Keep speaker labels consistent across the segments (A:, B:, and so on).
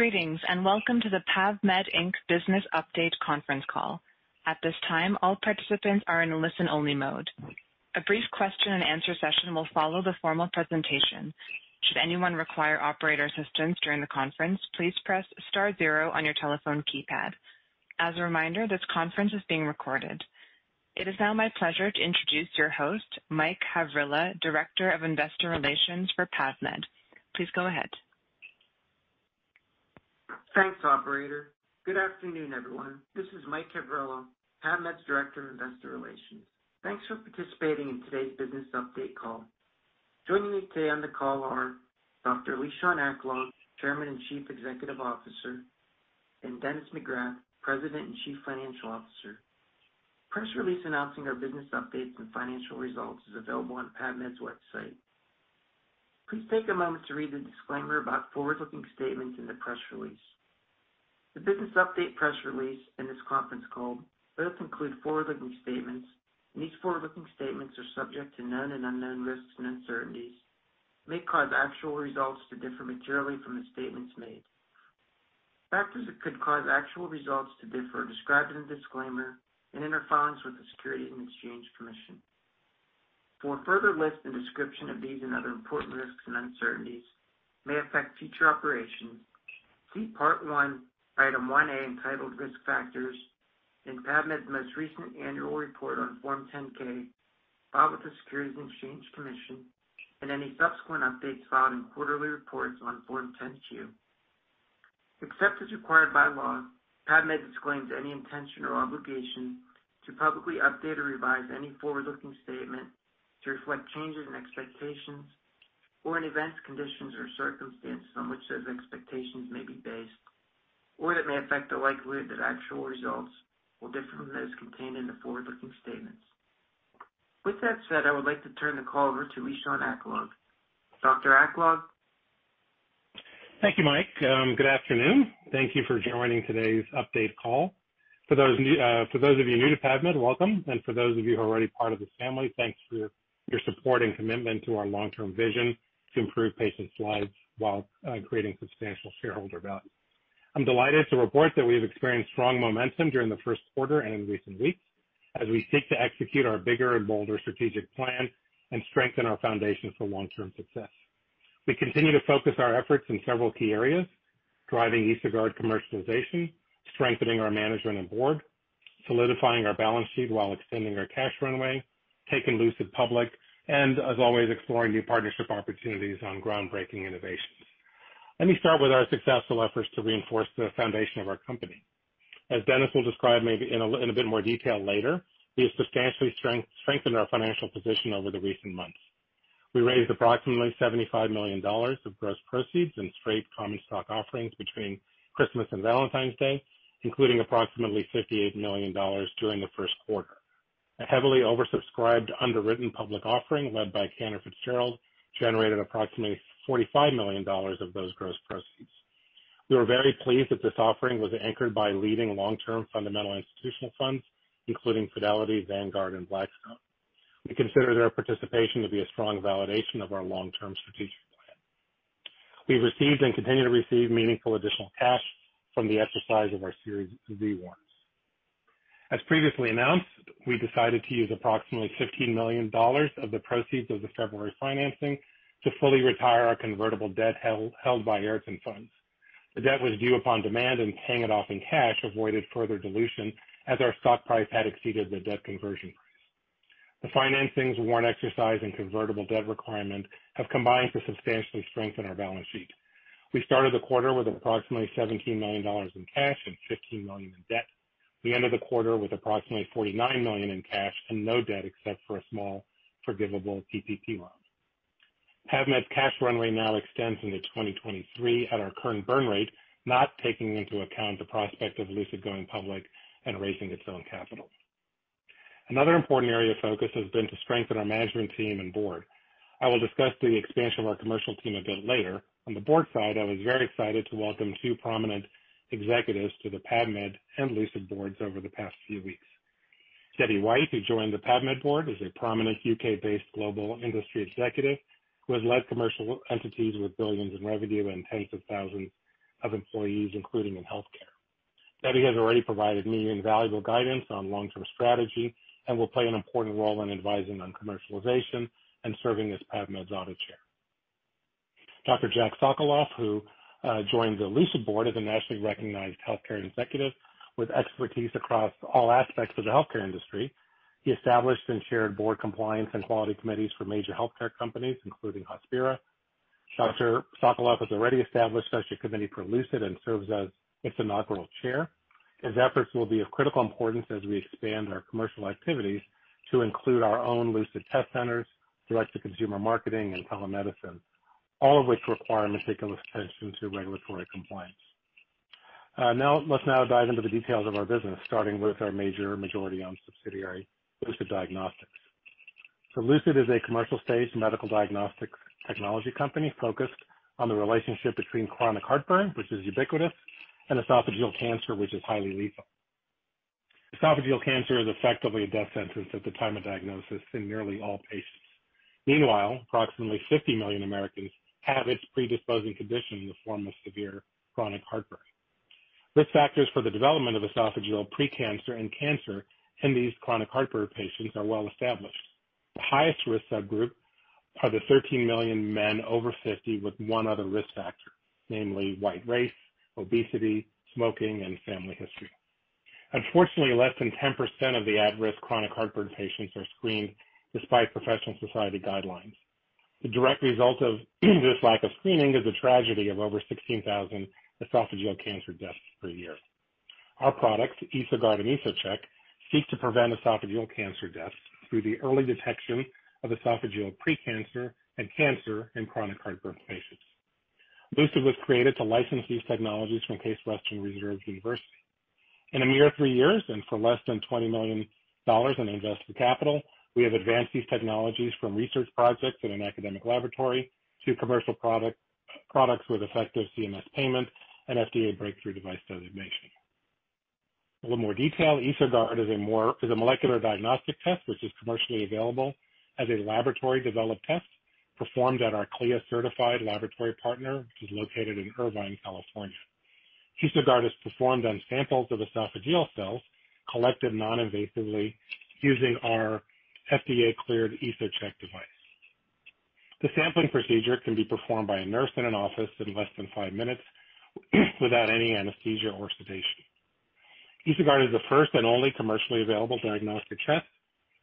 A: Greetings, and welcome to the PAVmed Inc. Business Update Conference Call. At this time, all participants are in listen-only mode. A brief question and answer session will follow the formal presentation. Should anyone require operator assistance during the conference, please press star zero on your telephone keypad. As a reminder, this conference is being recorded. It is now my pleasure to introduce your host, Mike Havrilla, Director of Investor Relations for PAVmed. Please go ahead.
B: Thanks, operator. Good afternoon, everyone. This is Mike Havrilla, PAVmed's Director of Investor Relations. Thanks for participating in today's business update call. Joining me today on the call are Dr. Lishan Aklog, Chairman and Chief Executive Officer, and Dennis McGrath, President and Chief Financial Officer. Press release announcing our business update and financial results is available on PAVmed's website. Please take a moment to read the disclaimer about forward-looking statements in the press release. The business update press release and this conference call both include forward-looking statements. These forward-looking statements are subject to known and unknown risks and uncertainties that may cause actual results to differ materially from the statements made. Factors that could cause actual results to differ are described in the disclaimer in our filings with the Securities and Exchange Commission. For a further list and description of these and other important risks and uncertainties that may affect future operations, see Part 1, Item 1A, entitled Risk Factors in PAVmed's most recent annual report on Form 10-K filed with the Securities and Exchange Commission and any subsequent updates filed in quarterly reports on Form 10-Q. Except as required by law, PAVmed disclaims any intention or obligation to publicly update or revise any forward-looking statement to reflect changes in expectations or in events, conditions, or circumstances on which those expectations may be based, or that may affect the likelihood that actual results will differ from those contained in the forward-looking statements. With that said, I would like to turn the call over to Lishan Aklog. Dr. Aklog.
C: Thank you, Mike. Good afternoon. Thank you for joining today's update call. For those of you new to PAVmed, welcome, and for those of you who are already part of this family, thanks for your support and commitment to our long-term vision to improve patients' lives while creating substantial shareholder value. I'm delighted to report that we've experienced strong momentum during the first quarter and in recent weeks as we seek to execute our bigger and bolder strategic plan and strengthen our foundation for long-term success. We continue to focus our efforts in several key areas, driving Lucid commercialization, strengthening our management and board, solidifying our balance sheet while extending our cash runway, taking Lucid public, and as always, exploring new partnership opportunities on groundbreaking innovations. Let me start with our successful efforts to reinforce the foundation of our company. As Dennis will describe maybe in a little bit more detail later, we have substantially strengthened our financial position over the recent months. We raised approximately $75 million of gross proceeds in straight common stock offerings between Christmas and Valentine's Day, including approximately $58 million during the first quarter. A heavily oversubscribed, underwritten public offering led by Cantor Fitzgerald generated approximately $45 million of those gross proceeds. We are very pleased that this offering was anchored by leading long-term fundamental institutional funds, including Fidelity, Vanguard, and Blackstone. We consider their participation to be a strong validation of our long-term strategic plan. We received and continue to receive meaningful additional cash from the exercise of our Series Z warrants. As previously announced, we decided to use approximately $15 million of the proceeds of the February financing to fully retire our convertible debt held by Arcam funds. The debt was due upon demand and paying it off in cash avoided further dilution as our stock price had exceeded the debt conversion price. The financings, warrant exercise, and convertible debt requirements have combined to substantially strengthen our balance sheet. We started the quarter with approximately $17 million in cash and $15 million in debt. We ended the quarter with approximately $49 million in cash and no debt except for a small forgivable PPP loan. PAVmed cash runway now extends into 2023 at our current burn rate, not taking into account the prospect of Lucid going public and raising its own capital. Another important area of focus has been to strengthen our management team and board. I will discuss the expansion of our commercial team a bit later. On the board side, I was very excited to welcome two prominent executives to the PAVmed and Lucid boards over the past few weeks. Debbie White, who joined the PAVmed board, is a prominent U.K.-based global industry executive who has led commercial entities with billions in revenue and tens of thousands of employees, including in healthcare. Debbie has already provided me invaluable guidance on long-term strategy and will play an important role in advising on commercialization and serving as PAVmed's audit chair. Dr. Jacque Sokolov, who joins the Lucid board, is a nationally recognized healthcare executive with expertise across all aspects of the healthcare industry. He established and chaired board compliance and quality committees for major healthcare companies, including Hospira. Dr. Sokolov has already established such a committee for Lucid and serves as its inaugural chair. His efforts will be of critical importance as we expand our commercial activities to include our own Lucid test centers, direct-to-consumer marketing, and telemedicine, all of which require meticulous attention to regulatory compliance. Let's dive into the details of our business, starting with our major majority-owned subsidiary, Lucid Diagnostics. Lucid is a commercial-stage medical diagnostics technology company focused on the relationship between chronic heartburn, which is ubiquitous, and esophageal cancer, which is highly lethal. Esophageal cancer is effectively a death sentence at the time of diagnosis in nearly all patients. Meanwhile, approximately 50 million Americans have its predisposing condition in the form of severe chronic heartburn. Risk factors for the development of esophageal pre-cancer and cancer in these chronic heartburn patients are well-established. The highest-risk subgroup are the 13 million men over 50 with one other risk factor, namely White race, obesity, smoking, and family history. Unfortunately, less than 10% of the at-risk chronic heartburn patients are screened despite professional society guidelines. The direct result of this lack of screening is a tragedy of over 16,000 esophageal cancer deaths per year. Our product, EsoGuard and EsoCheck, seeks to prevent esophageal cancer deaths through the early detection of esophageal pre-cancer and cancer in chronic heartburn patients. Lucid was created to license these technologies from Case Western Reserve University. In a mere three years and for less than $20 million in invested capital, we have advanced these technologies from research projects in an academic laboratory to commercial products with effective CMS payments and FDA breakthrough device designation. A little more detail, EsoGuard is a molecular diagnostic test which is commercially available as a laboratory-developed test performed at our CLIA-certified laboratory partner, which is located in Irvine, California. EsoGuard is performed on samples of esophageal cells collected non-invasively using our FDA-cleared EsoCheck device. The sampling procedure can be performed by a nurse in an office in less than five minutes without any anesthesia or sedation. EsoGuard is the first and only commercially available diagnostic test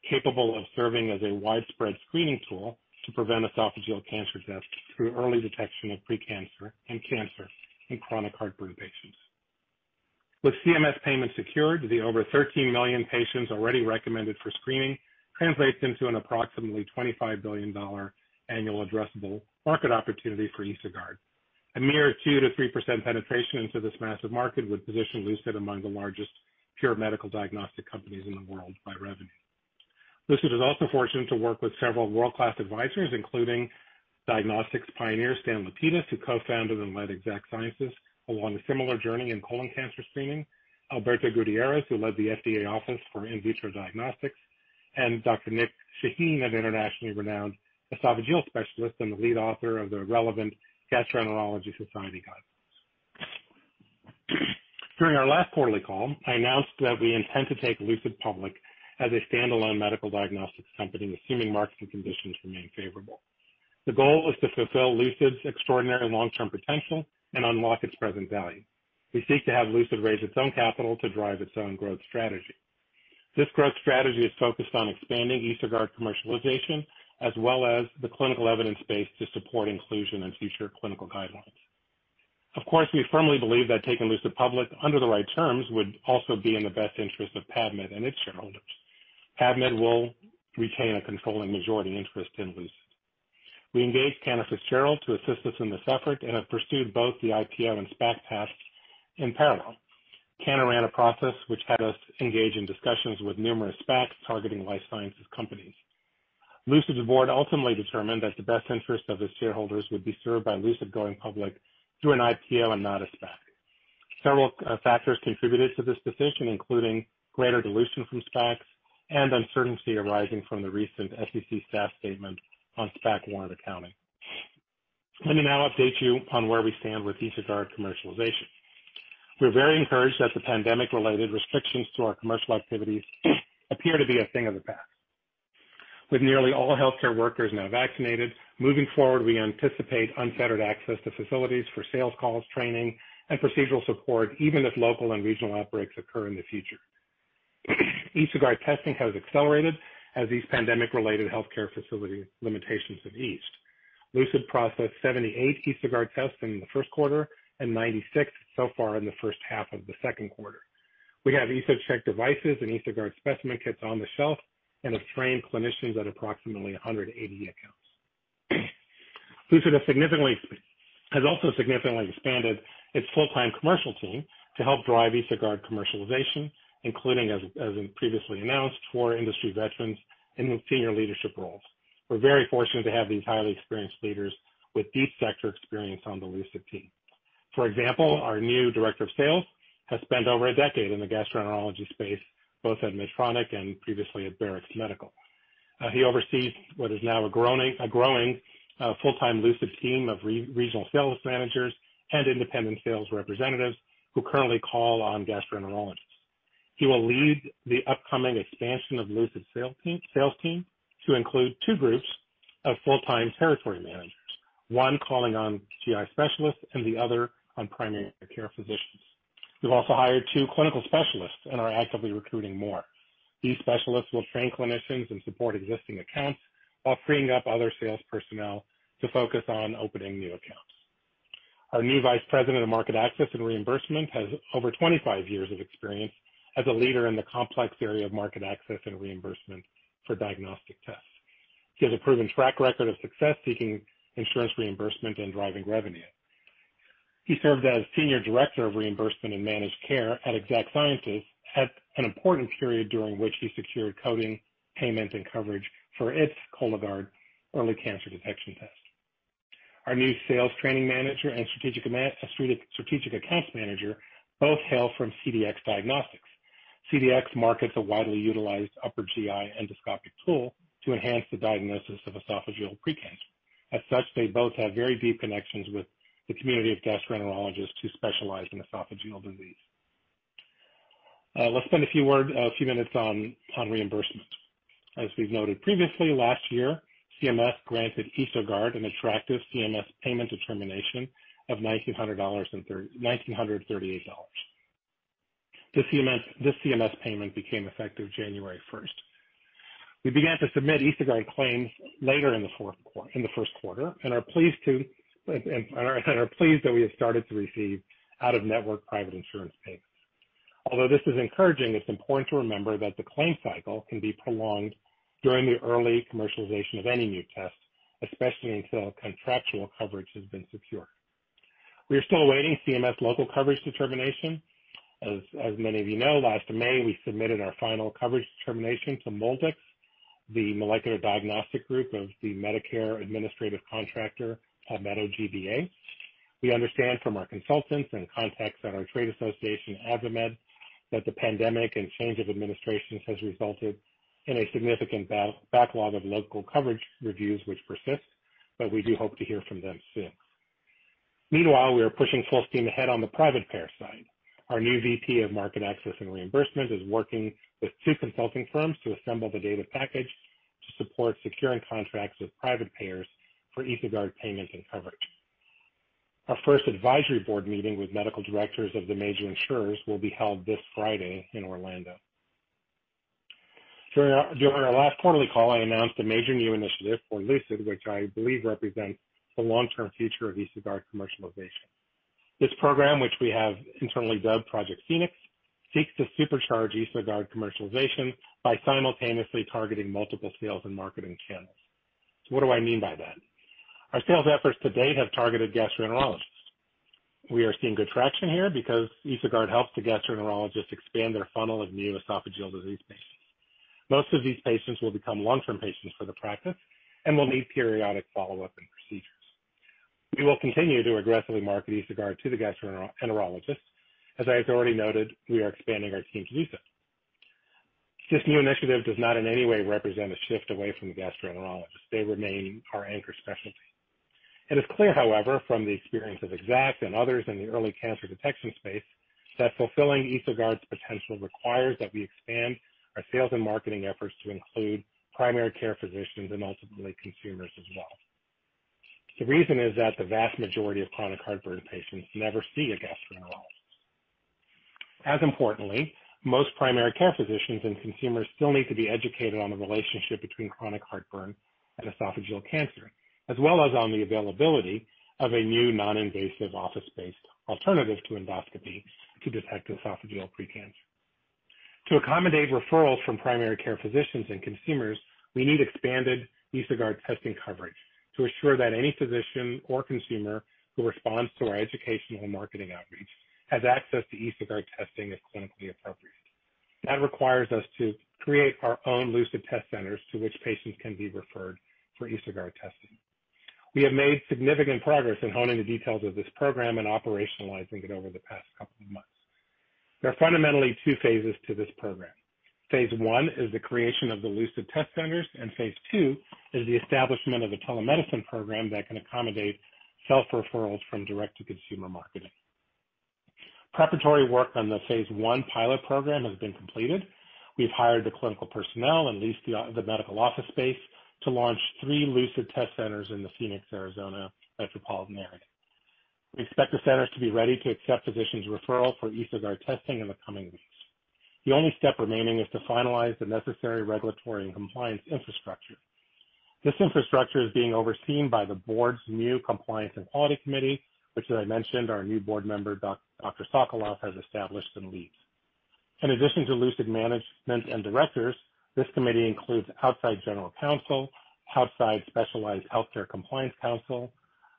C: capable of serving as a widespread screening tool to prevent esophageal cancer deaths through early detection of pre-cancer and cancer in chronic heartburn patients. With CMS payment secured, the over 13 million patients already recommended for screening translates into an approximately $25 billion annual addressable market opportunity for EsoGuard. A mere 2%-3% penetration into this massive market would position Lucid among the largest pure medical diagnostic companies in the world by revenue. Lucid is also fortunate to work with several world-class advisors, including diagnostics pioneer Stan Lapidus, who co-founded and led Exact Sciences along a similar journey in colon cancer screening. Alberto Gutierrez, who led the FDA Office for In Vitro Diagnostics, and Dr. Nick Shaheen, an internationally renowned esophageal specialist and the lead author of the relevant gastroenterology society guidelines. During our last quarterly call, I announced that we intend to take Lucid public as a standalone medical diagnostics company, assuming market conditions remain favorable. The goal is to fulfill Lucid's extraordinary long-term potential and unlock its present value. We seek to have Lucid raise its own capital to drive its own growth strategy. This growth strategy is focused on expanding EsoGuard commercialization as well as the clinical evidence base to support inclusion in future clinical guidelines. Of course, we firmly believe that taking Lucid public under the right terms would also be in the best interest of PAVmed and its shareholders. PAVmed will retain a controlling majority interest in Lucid. We engaged Cantor Fitzgerald to assist us in this effort and have pursued both the IPO and SPAC paths in parallel. Cantor ran a process which had us engage in discussions with numerous SPACs targeting life sciences companies. Lucid's board ultimately determined that the best interest of its shareholders would be served by Lucid going public through an IPO and not a SPAC. Several factors contributed to this decision, including greater dilution from SPACs and uncertainty arising from the recent SEC staff statement on SPAC warrant accounting. Let me now update you on where we stand with EsoGuard commercialization. We're very encouraged that the pandemic-related restrictions to our commercial activities appear to be a thing of the past. With nearly all healthcare workers now vaccinated, moving forward, we anticipate unfettered access to facilities for sales calls, training, and procedural support, even if local and regional outbreaks occur in the future. EsoGuard testing has accelerated as these pandemic-related healthcare facility limitations have eased. Lucid processed 78 EsoGuard tests in the first quarter and 96 so far in the first half of the second quarter. We have EsoCheck devices and EsoGuard specimen kits on the shelf and have trained clinicians at approximately 180 accounts. Lucid has also significantly expanded its full-time commercial team to help drive EsoGuard commercialization, including, as previously announced, four industry veterans in senior leadership roles. We're very fortunate to have these highly experienced leaders with deep sector experience on the Lucid team. For example, our new director of sales has spent over a decade in the gastroenterology space, both at Medtronic and previously at Barrx Medical. He oversees what is now a growing full-time Lucid team of regional sales managers and independent sales representatives who currently call on gastroenterologists. He will lead the upcoming expansion of Lucid's sales team to include two groups of full-time territory managers, one calling on GI specialists and the other on primary care physicians. We've also hired two clinical specialists and are actively recruiting more. These specialists will train clinicians and support existing accounts while freeing up other sales personnel to focus on opening new accounts. Our new vice president of market access and reimbursement has over 25 years of experience as a leader in the complex area of market access and reimbursement for diagnostic tests. He has a proven track record of success seeking insurance reimbursement and driving revenue. He served as senior director of reimbursement and managed care at Exact Sciences at an important period during which he secured coding, payment, and coverage for its Cologuard early cancer detection test. Our new sales training manager and strategic account manager both hail from CDx Diagnostics. CDx markets a widely utilized upper GI endoscopic tool to enhance the diagnosis of esophageal pre-cancer. As such, they both have very deep connections with the community of gastroenterologists who specialize in esophageal disease. Let's spend a few minutes on reimbursement. As we've noted previously, last year, CMS granted EsoGuard an attractive CMS payment determination of $1,938. This CMS payment became effective January 1st. We began to submit EsoGuard claims later in the first quarter and are pleased that we have started to receive out-of-network private insurance payments. Although this is encouraging, it's important to remember that the claim cycle can be prolonged during the early commercialization of any new test, especially until contractual coverage has been secured. We are still awaiting CMS local coverage determination. As many of you know, last May, we submitted our final coverage determination to MolDX, the molecular diagnostic group of the Medicare Administrative Contractor, Palmetto GBA. We understand from our consultants and contacts at our trade association, PAVmed, that the pandemic and change of administrations has resulted in a significant backlog of local coverage reviews which persist, but we do hope to hear from them soon. Meanwhile, we are pushing full steam ahead on the private payer side. Our new VP of market access and reimbursement is working with two consulting firms to assemble the data package to support securing contracts with private payers for EsoGuard payments and coverage. Our first advisory board meeting with medical directors of the major insurers will be held this Friday in Orlando. During our last quarterly call, I announced a major new initiative for Lucid, which I believe represents the long-term future of EsoGuard commercialization. This program, which we have internally dubbed Project Phoenix, seeks to supercharge EsoGuard commercialization by simultaneously targeting multiple sales and marketing channels. What do I mean by that? Our sales efforts to date have targeted gastroenterologists. We are seeing good traction here because EsoGuard helps the gastroenterologist expand their funnel of new esophageal disease patients. Most of these patients will become long-term patients for the practice and will need periodic follow-up and procedures. We will continue to aggressively market EsoGuard to the gastroenterologist. As I have already noted, we are expanding our team to do so. This new initiative does not in any way represent a shift away from gastroenterologists. They remain our anchor specialty. It is clear, however, from the experience of Exact and others in the early cancer detection space, that fulfilling EsoGuard's potential requires that we expand our sales and marketing efforts to include primary care physicians and ultimately consumers as well. The reason is that the vast majority of chronic heartburn patients never see a gastroenterologist. As importantly, most primary care physicians and consumers still need to be educated on the relationship between chronic heartburn and esophageal cancer, as well as on the availability of a new, non-invasive, office-based alternative to endoscopy to detect esophageal pre-cancer. To accommodate referrals from primary care physicians and consumers, we need expanded EsoGuard testing coverage to assure that any physician or consumer who responds to our educational marketing outreach has access to EsoGuard testing as clinically appropriate. That requires us to create our own Lucid test centers to which patients can be referred for EsoGuard testing. We have made significant progress in honing the details of this program and operationalizing it over the past couple of months. There are fundamentally two phases to this program. Phase I is the creation of the Lucid test centers, and phase II is the establishment of a telemedicine program that can accommodate self-referrals from direct-to-consumer marketing. Preparatory work on the phase I pilot program has been completed. We've hired the clinical personnel and leased the medical office space to launch three Lucid test centers in the Phoenix, Arizona metropolitan area. We expect the centers to be ready to accept physicians' referrals for EsoGuard testing in the coming weeks. The only step remaining is to finalize the necessary regulatory and compliance infrastructure. This infrastructure is being overseen by the board's new compliance and quality committee, which, as I mentioned, our new board member, Dr. Sokolov, has established and leads. In addition to Lucid management and directors, this committee includes outside general counsel, outside specialized healthcare compliance counsel,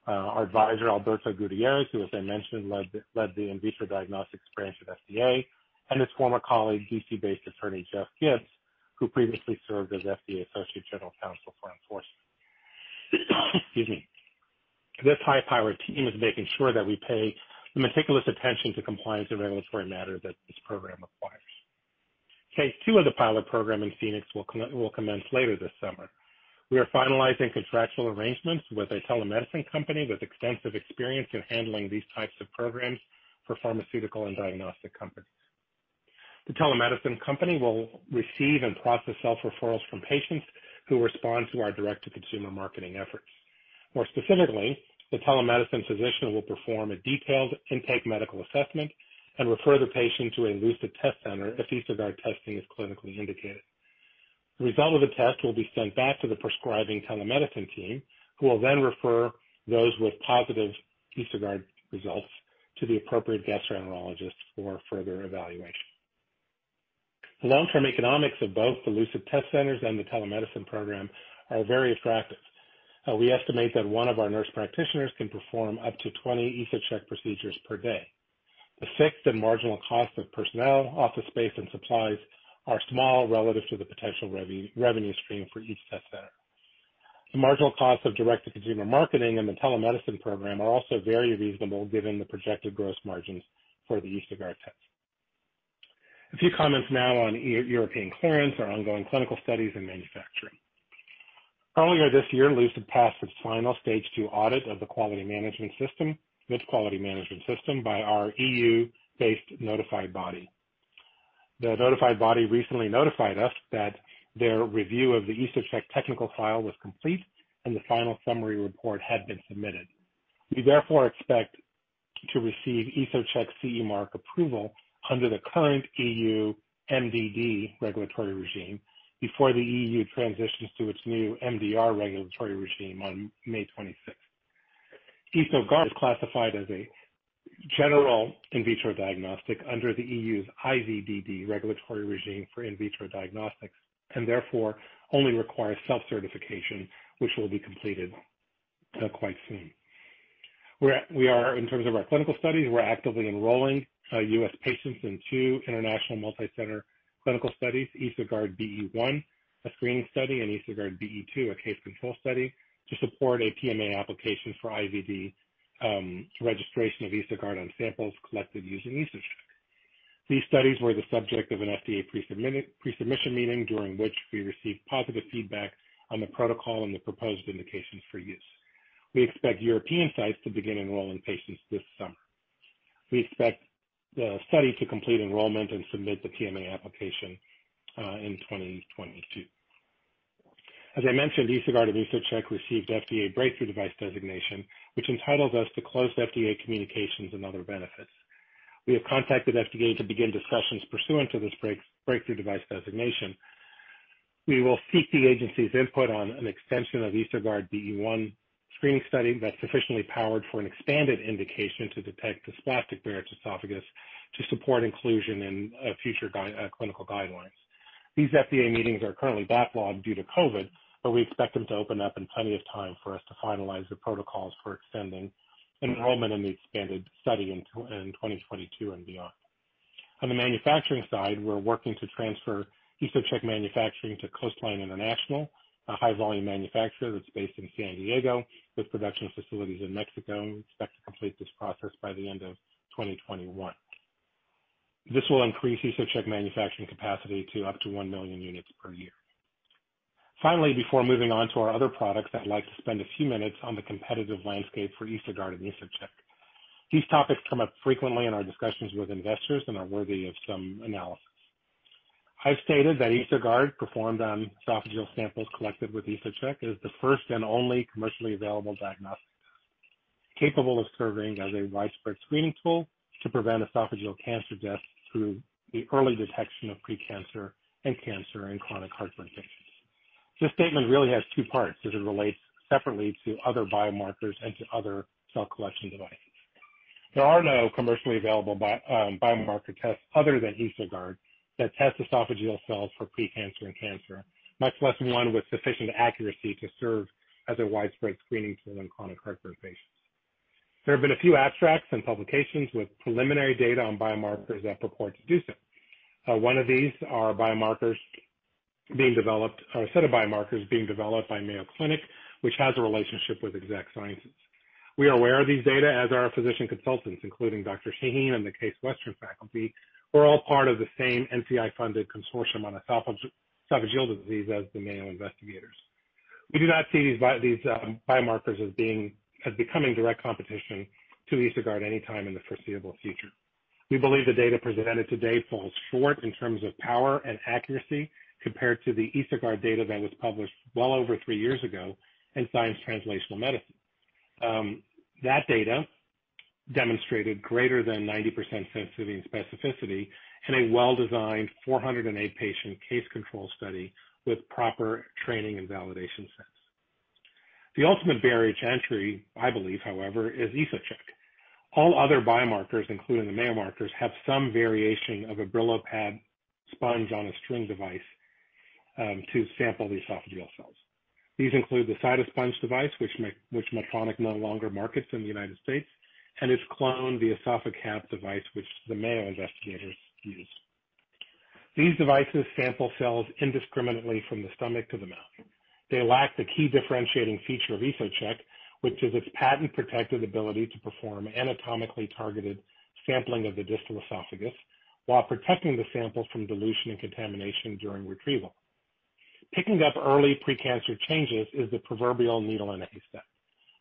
C: our advisor, Alberto Gutierrez, who, as I mentioned, led the In Vitro Diagnostics branch of FDA, and his former colleague, D.C.-based attorney Jeff Gibbs, who previously served as FDA associate general counsel for enforcement. Excuse me. This high-powered team is making sure that we pay the meticulous attention to compliance and regulatory matters that this program requires. phase II of the pilot program in Phoenix will commence later this summer. We are finalizing contractual arrangements with a telemedicine company with extensive experience in handling these types of programs for pharmaceutical and diagnostic companies. The telemedicine company will receive and process self-referrals from patients who respond to our direct-to-consumer marketing efforts. More specifically, the telemedicine physician will perform a detailed intake medical assessment and refer the patient to a Lucid test center if EsoGuard testing is clinically indicated. The result of the test will be sent back to the prescribing telemedicine team, who will then refer those with positive EsoGuard results to the appropriate gastroenterologist for further evaluation. The long-term economics of both the Lucid test centers and the telemedicine program are very attractive. We estimate that one of our nurse practitioners can perform up to 20 EsoCheck procedures per day. The fixed and marginal cost of personnel, office space, and supplies are small relative to the potential revenue stream for each test sale. The marginal cost of direct-to-consumer marketing and the telemedicine program are also very reasonable given the projected gross margins for the EsoGuard test. A few comments now on European clearance, our ongoing clinical studies, and manufacturing. Earlier this year, Lucid passed its final stage 2 audit of the quality management system, this quality management system by our EU-based notified body. The notified body recently notified us that their review of the EsoCheck technical file was complete and the final summary report had been submitted. We therefore expect to receive EsoCheck CE mark approval under the current EU MDD regulatory regime before the EU transitions to its new MDR regulatory regime on May 26th. EsoGuard is classified as a general In Vitro Diagnostic under the EU's IVDD regulatory regime for In Vitro Diagnostics, and therefore only requires self-certification, which will be completed quite soon. In terms of our clinical studies, we're actively enrolling U.S. patients in two international multi-center clinical studies, EsoGuard BE-1, a screening study, and EsoGuard BE-2, a case control study, to support a PMA application for IVD to registration of EsoGuard on samples collected using EsoCheck. These studies were the subject of an FDA pre-submission meeting, during which we received positive feedback on the protocol and the proposed indications for use. We expect European sites to begin enrolling patients this summer. We expect the study to complete enrollment and submit the PMA application in 2022. As I mentioned, EsoGuard and EsoCheck received FDA breakthrough device designation, which entitles us to closed FDA communications and other benefits. We have contacted FDA to begin discussions pursuant to this breakthrough device designation. We will seek the agency's input on an extension of EsoGuard BE-1 screening study that's sufficiently powered for an expanded indication to detect dysplastic Barrett's Esophagus to support inclusion in future clinical guidelines. These FDA meetings are currently backlogged due to COVID. We expect them to open up in plenty of time for us to finalize the protocols for expanding enrollment in the expanded study in 2022 and beyond. On the manufacturing side, we're working to transfer EsoCheck manufacturing to Coastline International, a high-volume manufacturer that's based in San Diego with production facilities in Mexico. We expect to complete this process by the end of 2021. This will increase EsoCheck manufacturing capacity to up to onemillion units per year. Finally, before moving on to our other products, I'd like to spend a few minutes on the competitive landscape for EsoGuard and EsoCheck. These topics come up frequently in our discussions with investors and are worthy of some analysis. I've stated that EsoGuard performed on esophageal samples collected with EsoCheck is the first and only commercially available diagnostic capable of serving as a widespread screening tool to prevent esophageal cancer deaths through the early detection of pre-cancer and cancer in chronic heartburn patients. This statement really has two parts as it relates separately to other biomarkers and to other cell collection devices. There are no commercially available biomarker tests other than EsoGuard that test esophageal cells for pre-cancer and cancer, much less one with sufficient accuracy to serve as a widespread screening tool in chronic heartburn patients. There have been a few abstracts and publications with preliminary data on biomarkers that purport to do so. One of these are a set of biomarkers being developed by Mayo Clinic, which has a relationship with Exact Sciences. We are aware of these data as are our physician consultants, including Dr. Shaheen and the Case Western faculty, who are all part of the same NCI-funded consortium on esophageal disease as the Mayo investigators. We do not see these biomarkers as becoming direct competition to EsoGuard anytime in the foreseeable future. We believe the data presented to date falls short in terms of power and accuracy compared to the EsoGuard data that was published well over three years ago in Science Translational Medicine. That data demonstrated greater than 90% sensitivity and specificity in a well-designed 408-patient case control study with proper training and validation sets. The ultimate barrier to entry, I believe, however, is EsoCheck. All other biomarkers, including the Mayo markers, have some variation of a Brillo pad sponge-on-a-string device to sample esophageal cells. These include the Cytosponge device, which Medtronic no longer markets in the United States, and its clone, the EsophaCap device, which the Mayo investigators use. These devices sample cells indiscriminately from the stomach to the mouth. They lack the key differentiating feature of EsoCheck, which is its patent-protected ability to perform anatomically targeted sampling of the distal esophagus while protecting the sample from dilution and contamination during retrieval. Picking up early pre-cancer changes is the proverbial needle in a haystack.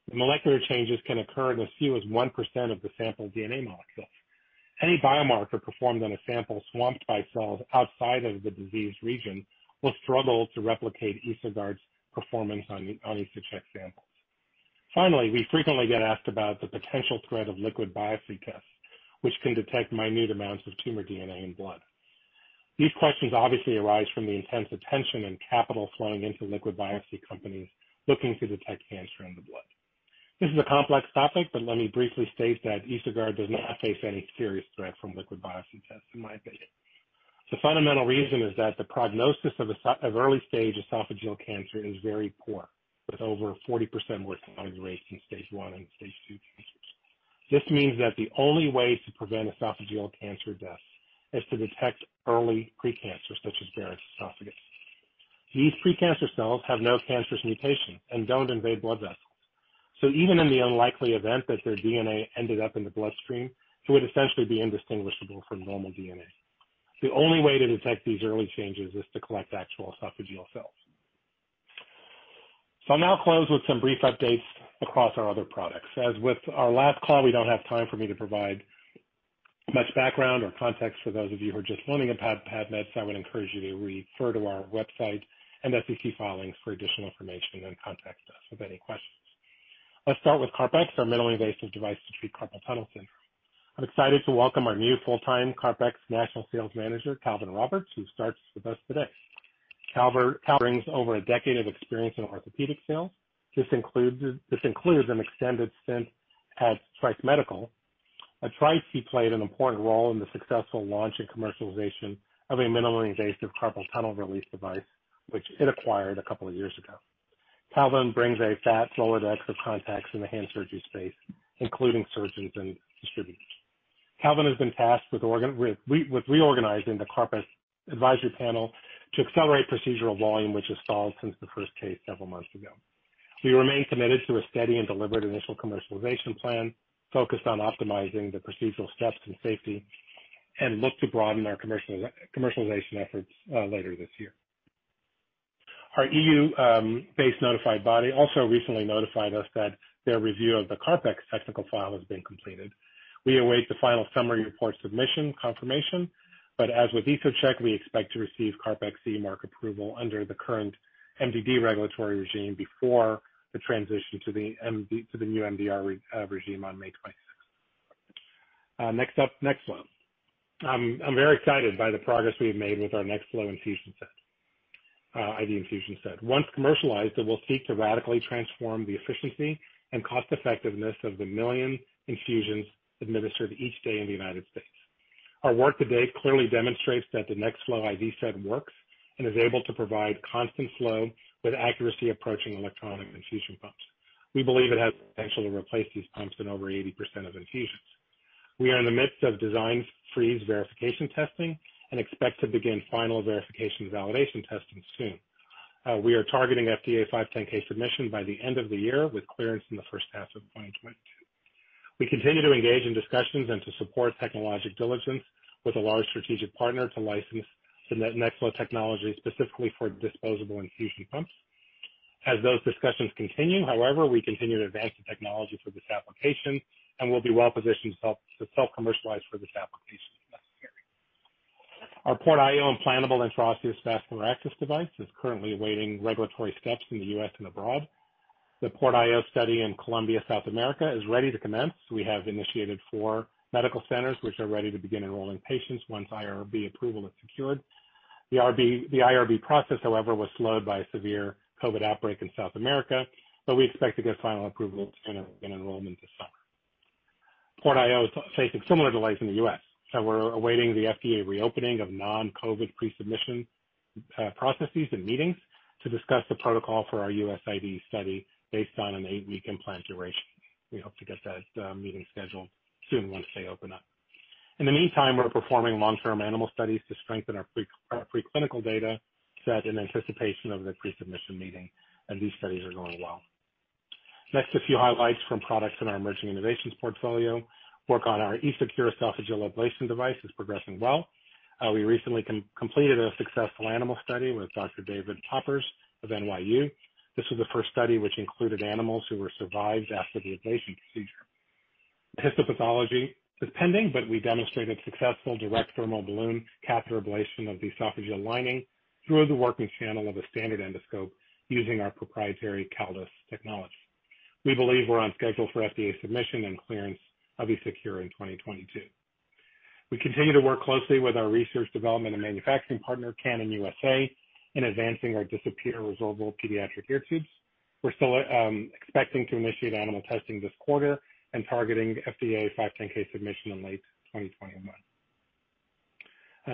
C: The molecular changes can occur in as few as 1% of the sample DNA molecules. Any biomarker performed on a sample swamped by cells outside of the diseased region will struggle to replicate EsoGuard's performance on EsoCheck samples. We frequently get asked about the potential threat of liquid biopsy tests, which can detect minute amounts of tumor DNA in blood. These questions obviously arise from the intense attention and capital flowing into liquid biopsy companies looking to detect cancer in the blood. This is a complex topic. Let me briefly state that EsoGuard does not face any serious threat from liquid biopsy tests in my opinion. The fundamental reason is that the prognosis of early-stage esophageal cancer is very poor, with over 40% worse survival rates in stage I and stage II cases. This means that the only way to prevent esophageal cancer deaths is to detect early pre-cancer, such as Barrett's Esophagus. These pre-cancer cells have no cancerous mutations and don't invade blood vessels. Even in the unlikely event that their DNA ended up in the bloodstream, it would essentially be indistinguishable from normal DNA. The only way to detect these early changes is to collect actual esophageal cells. I'll now close with some brief updates across our other products. As with our last call, we don't have time for me to provide much background or context for those of you who are just learning about PAVmed. I would encourage you to refer to our website and SEC filings for additional information and contact us with any questions. Let's start with CarpX, our minimally invasive device to treat carpal tunnel syndrome. I'm excited to welcome our new full-time CarpX National Sales Manager, Calvin Roberts, who starts with us today. Calvin brings over a decade of experience in orthopedic sales. This includes an extended stint at Trice Medical. At Trice, he played an important role in the successful launch and commercialization of a minimally invasive carpal tunnel release device, which it acquired a couple of years ago. Calvin brings a vast Rolodex of contacts in the hand surgery space, including surgeons and distributors. Calvin has been tasked with reorganizing the CarpX advisory panel to accelerate procedural volume, which has stalled since the first case several months ago. We remain committed to a steady and deliberate initial commercialization plan focused on optimizing the procedural steps and safety and look to broaden our commercialization efforts later this year. Our EU-based notified body also recently notified us that their review of the CarpX technical file has been completed. We await the final summary report submission confirmation, but as with EsoCheck, we expect to receive CarpX CE mark approval under the current MDD regulatory regime before the transition to the new MDR regime on May 26th. Next up. I'm very excited by the progress we've made with our NextFlo infusion set, IV infusion set. Once commercialized, it will seek to radically transform the efficiency and cost-effectiveness of the million infusions administered each day in the United States. Our work to date clearly demonstrates that the NextFlo IV set works and is able to provide constant flow with accuracy approaching electronic infusion pumps. We believe it has the potential to replace these pumps in over 80% of infusions. We are in the midst of design freeze verification testing and expect to begin final verification validation testing soon. We are targeting FDA 510(k) submission by the end of the year, with clearance in the first half of 2022. We continue to engage in discussions and to support technological diligence with a large strategic partner to license the NextFlo technology specifically for disposable infusion pumps. Those discussions continue, however, we continue to advance the technology for this application and will be well-positioned to self-commercialize for this application next year. Our PortIO implantable and percutaneous vascular access device is currently awaiting regulatory steps in the U.S. and abroad. The PortIO study in Colombia, South America, is ready to commence. We have initiated four medical centers which are ready to begin enrolling patients once IRB approval is secured. The IRB process, however, was slowed by a severe COVID outbreak in South America, but we expect to get final approval and enrollment to start. PortIO's fate is similar to life in the U.S., and we're awaiting the FDA reopening of non-COVID pre-submission processes and meetings to discuss the protocol for our U.S. IV study based on an eight-week implant duration. We hope to get that meeting scheduled soon once they open up. In the meantime, we're performing long-term animal studies to strengthen our pre-clinical data set in anticipation of the pre-submission meeting, and these studies are going well. Next, a few highlights from products in our emerging innovations portfolio. Work on our EsoCure esophageal ablation device is progressing well. We recently completed a successful animal study with Dr. David Poppers of NYU. This was the first study which included animals who were survived after the ablation procedure. Histopathology is pending, but we demonstrated successful direct thermal balloon catheter ablation of the esophageal lining through the working channel of a standard endoscope using our proprietary Caldus technology. We believe we're on schedule for FDA submission and clearance of EsoCure in 2022. We continue to work closely with our research, development, and manufacturing partner, Canon U.S.A., in advancing our DisappEAR resorbable pediatric ear tubes. We're still expecting to initiate animal testing this quarter and targeting FDA 510 submission in late 2021.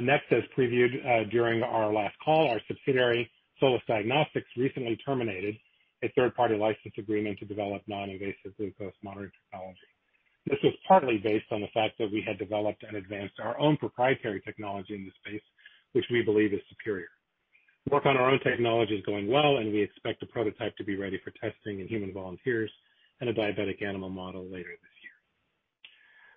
C: Next, as previewed during our last call, our subsidiary, Solace Diagnostics, recently terminated a third-party license agreement to develop non-invasive glucose monitoring technology. This was partly based on the fact that we had developed and advanced our own proprietary technology in the space, which we believe is superior. Work on our own technology is going well, and we expect the prototype to be ready for testing in human volunteers and a diabetic animal model later this year.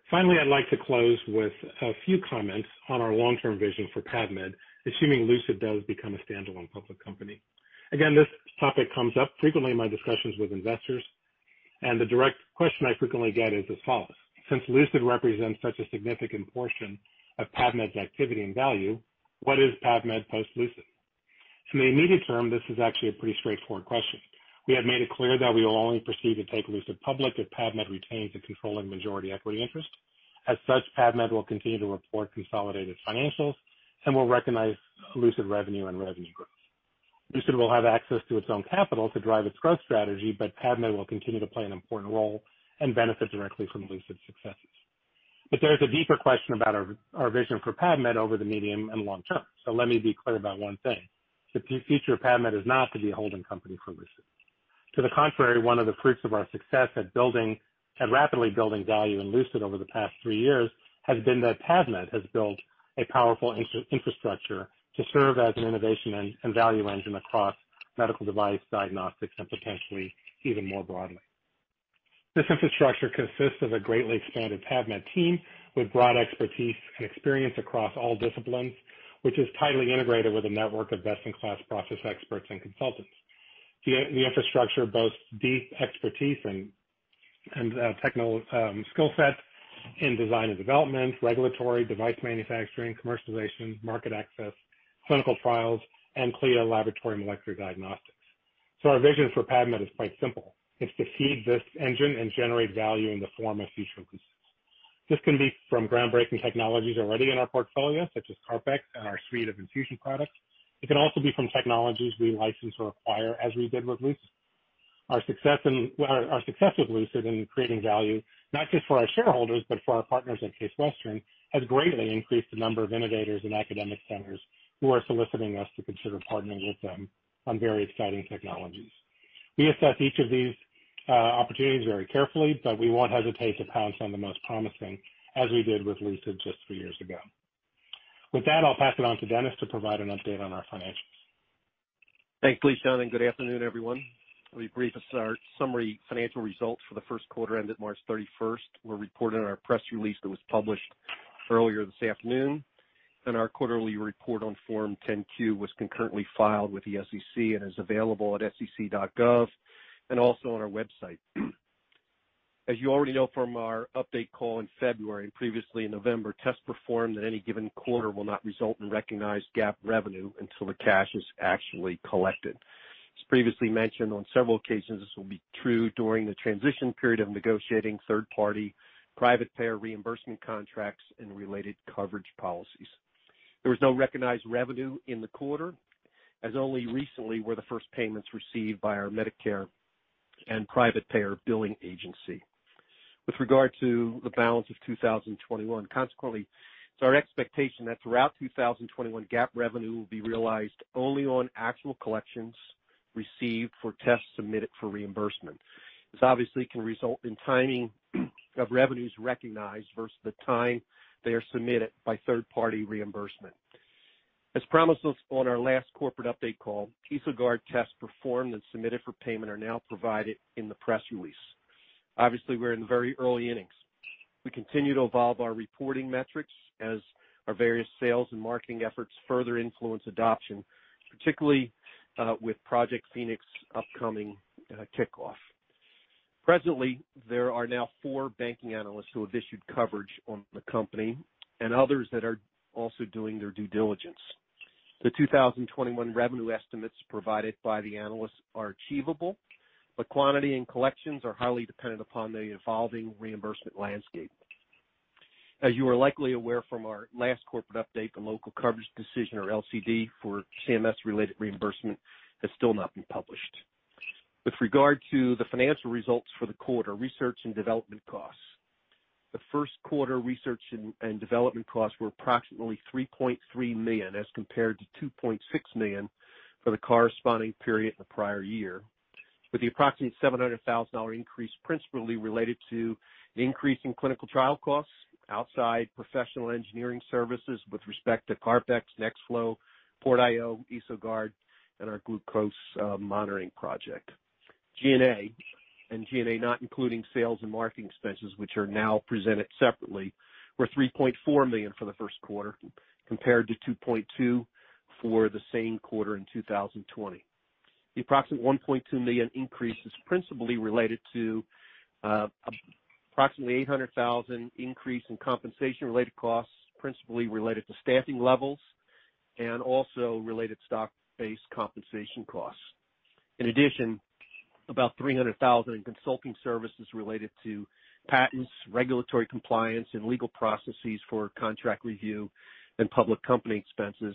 C: Finally, I'd like to close with a few comments on our long-term vision for PAVmed, assuming Lucid does become a standalone public company. Again, this topic comes up frequently in my discussions with investors, and the direct question I frequently get is as follows: Since Lucid represents such a significant portion of PAVmed's activity and value, what is PAVmed post Lucid? In the immediate term, this is actually a pretty straightforward question. We have made it clear that we will only proceed to take Lucid public if PAVmed retains a controlling majority equity interest. As such, PAVmed will continue to report consolidated financials and will recognize Lucid revenue and revenue growth. Lucid will have access to its own capital to drive its growth strategy, but PAVmed will continue to play an important role and benefit directly from Lucid's successes. There's a deeper question about our vision for PAVmed over the medium and long term. Let me be clear about one thing. The future of PAVmed is not to be a holding company for Lucid. To the contrary, one of the fruits of our success at rapidly building value in Lucid over the past three years has been that PAVmed has built a powerful infrastructure to serve as an innovation and value engine across medical device diagnostics, and potentially even more broadly. This infrastructure consists of a greatly expanded PAVmed team with broad expertise and experience across all disciplines, which is tightly integrated with a network of best-in-class process experts and consultants. The infrastructure boasts deep expertise and skill sets in design and development, regulatory device manufacturing, commercialization, market access, clinical trials, and CLIA laboratory and molecular diagnostics. Our vision for PAVmed is quite simple. It's to feed this engine and generate value in the form of future Lucid. This can be from groundbreaking technologies already in our portfolio, such as CarpX and our suite of infusion products. It can also be from technologies we license or acquire, as we did with Lucid. Our success at Lucid in creating value, not just for our shareholders, but for our partners at Case Western, has greatly increased the number of innovators and academic centers who are soliciting us to consider partnering with them on very exciting technologies. We assess each of these opportunities very carefully, but we won't hesitate to pounce on the most promising, as we did with Lucid just three years ago. With that, I'll pass it on to Dennis to provide an update on our financials.
D: Thanks, Lishan. Good afternoon, everyone. We brief summary financial results for the first quarter ended March 31, were reported in our press release that was published earlier this afternoon, and our quarterly report on Form 10-Q was concurrently filed with the SEC and is available at sec.gov and also on our website. As you already know from our update call in February, previously in November, tests performed in any given quarter will not result in recognized GAAP revenue until the cash is actually collected. As previously mentioned on several occasions, this will be true during the transition period of negotiating third-party private payer reimbursement contracts and related coverage policies. There was no recognized revenue in the quarter, as only recently were the first payments received by our Medicare and private payer billing agency. With regard to the balance of 2021, consequently, it's our expectation that throughout 2021, GAAP revenue will be realized only on actual collections received for tests submitted for reimbursement. This obviously can result in timing of revenues recognized versus the time they are submitted by third party reimbursement. As promised on our last corporate update call, EsoGuard tests performed and submitted for payment are now provided in the press release. Obviously, we're in very early innings. We continue to evolve our reporting metrics as our various sales and marketing efforts further influence adoption, particularly with Project Phoenix upcoming kickoff. Presently, there are now four banking analysts who have issued coverage on the company and others that are also doing their due diligence. The 2021 revenue estimates provided by the analysts are achievable, but quantity and collections are highly dependent upon the evolving reimbursement landscape. As you are likely aware from our last corporate update, the local coverage decision, or LCD, for CMS related reimbursement has still not been published. With regard to the financial results for the quarter, research and development costs. The first quarter research and development costs were approximately $3.3 million, as compared to $2.6 million for the corresponding period in the prior year, with the approximate $700,000 increase principally related to increase in clinical trial costs, outside professional engineering services with respect to CarpX, NextFlo, PortIO, EsoGuard, and our glucose monitoring project. G&A, and G&A not including sales and marketing expenses, which are now presented separately, were $3.4 million for the first quarter, compared to $2.2 million for the same quarter in 2020. The approximate $1.2 million increase is principally related to approximately $800,000 increase in compensation-related costs, principally related to staffing levels and also related stock-based compensation costs. In addition, about $300,000 in consulting services related to patents, regulatory compliance, and legal processes for contract review and public company expenses,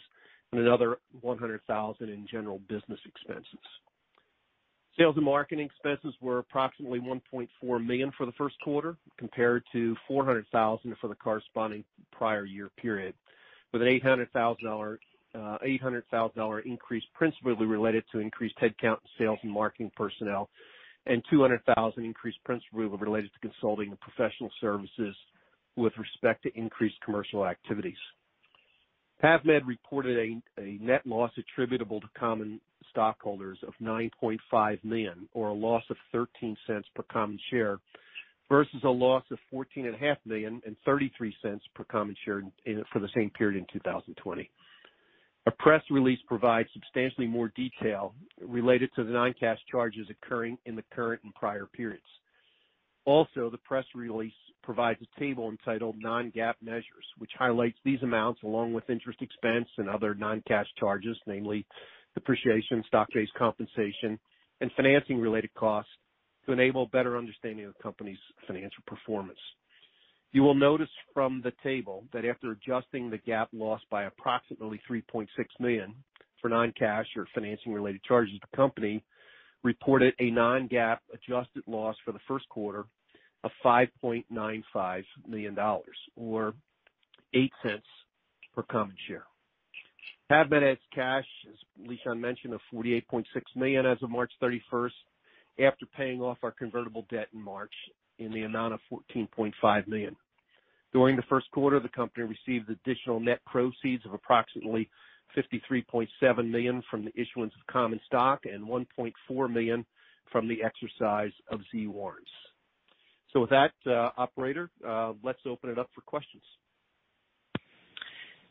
D: and another $100,000 in general business expenses. Sales and marketing expenses were approximately $1.4 million for the first quarter, compared to $400,000 for the corresponding prior year period, with $800,000 increase principally related to increased headcount in sales and marketing personnel and $200,000 increase principally related to consulting and professional services with respect to increased commercial activities. PAVmed reported a net loss attributable to common stockholders of $9.5 million, or a loss of $0.13 per common share, versus a loss of $14.5 million and $0.33 per common share for the same period in 2020. A press release provides substantially more detail related to the non-cash charges occurring in the current and prior periods. Also, the press release provides a table entitled non-GAAP Measures, which highlights these amounts along with interest expense and other non-cash charges, namely depreciation, stock-based compensation, and financing-related costs to enable better understanding of the company's financial performance. You will notice from the table that after adjusting the GAAP loss by approximately $3.6 million for non-cash or financing-related charges, the company reported a non-GAAP adjusted loss for the first quarter of $5.95 million, or $0.08 per common share. PAVmed has cash, as Lishan mentioned, of $48.6 million as of March 31st, after paying off our convertible debt in March in the amount of $14.5 million. During the first quarter, the company received additional net proceeds of approximately $53.7 million from the issuance of common stock and $1.4 million from the exercise of Z warrants. With that, operator, let's open it up for questions.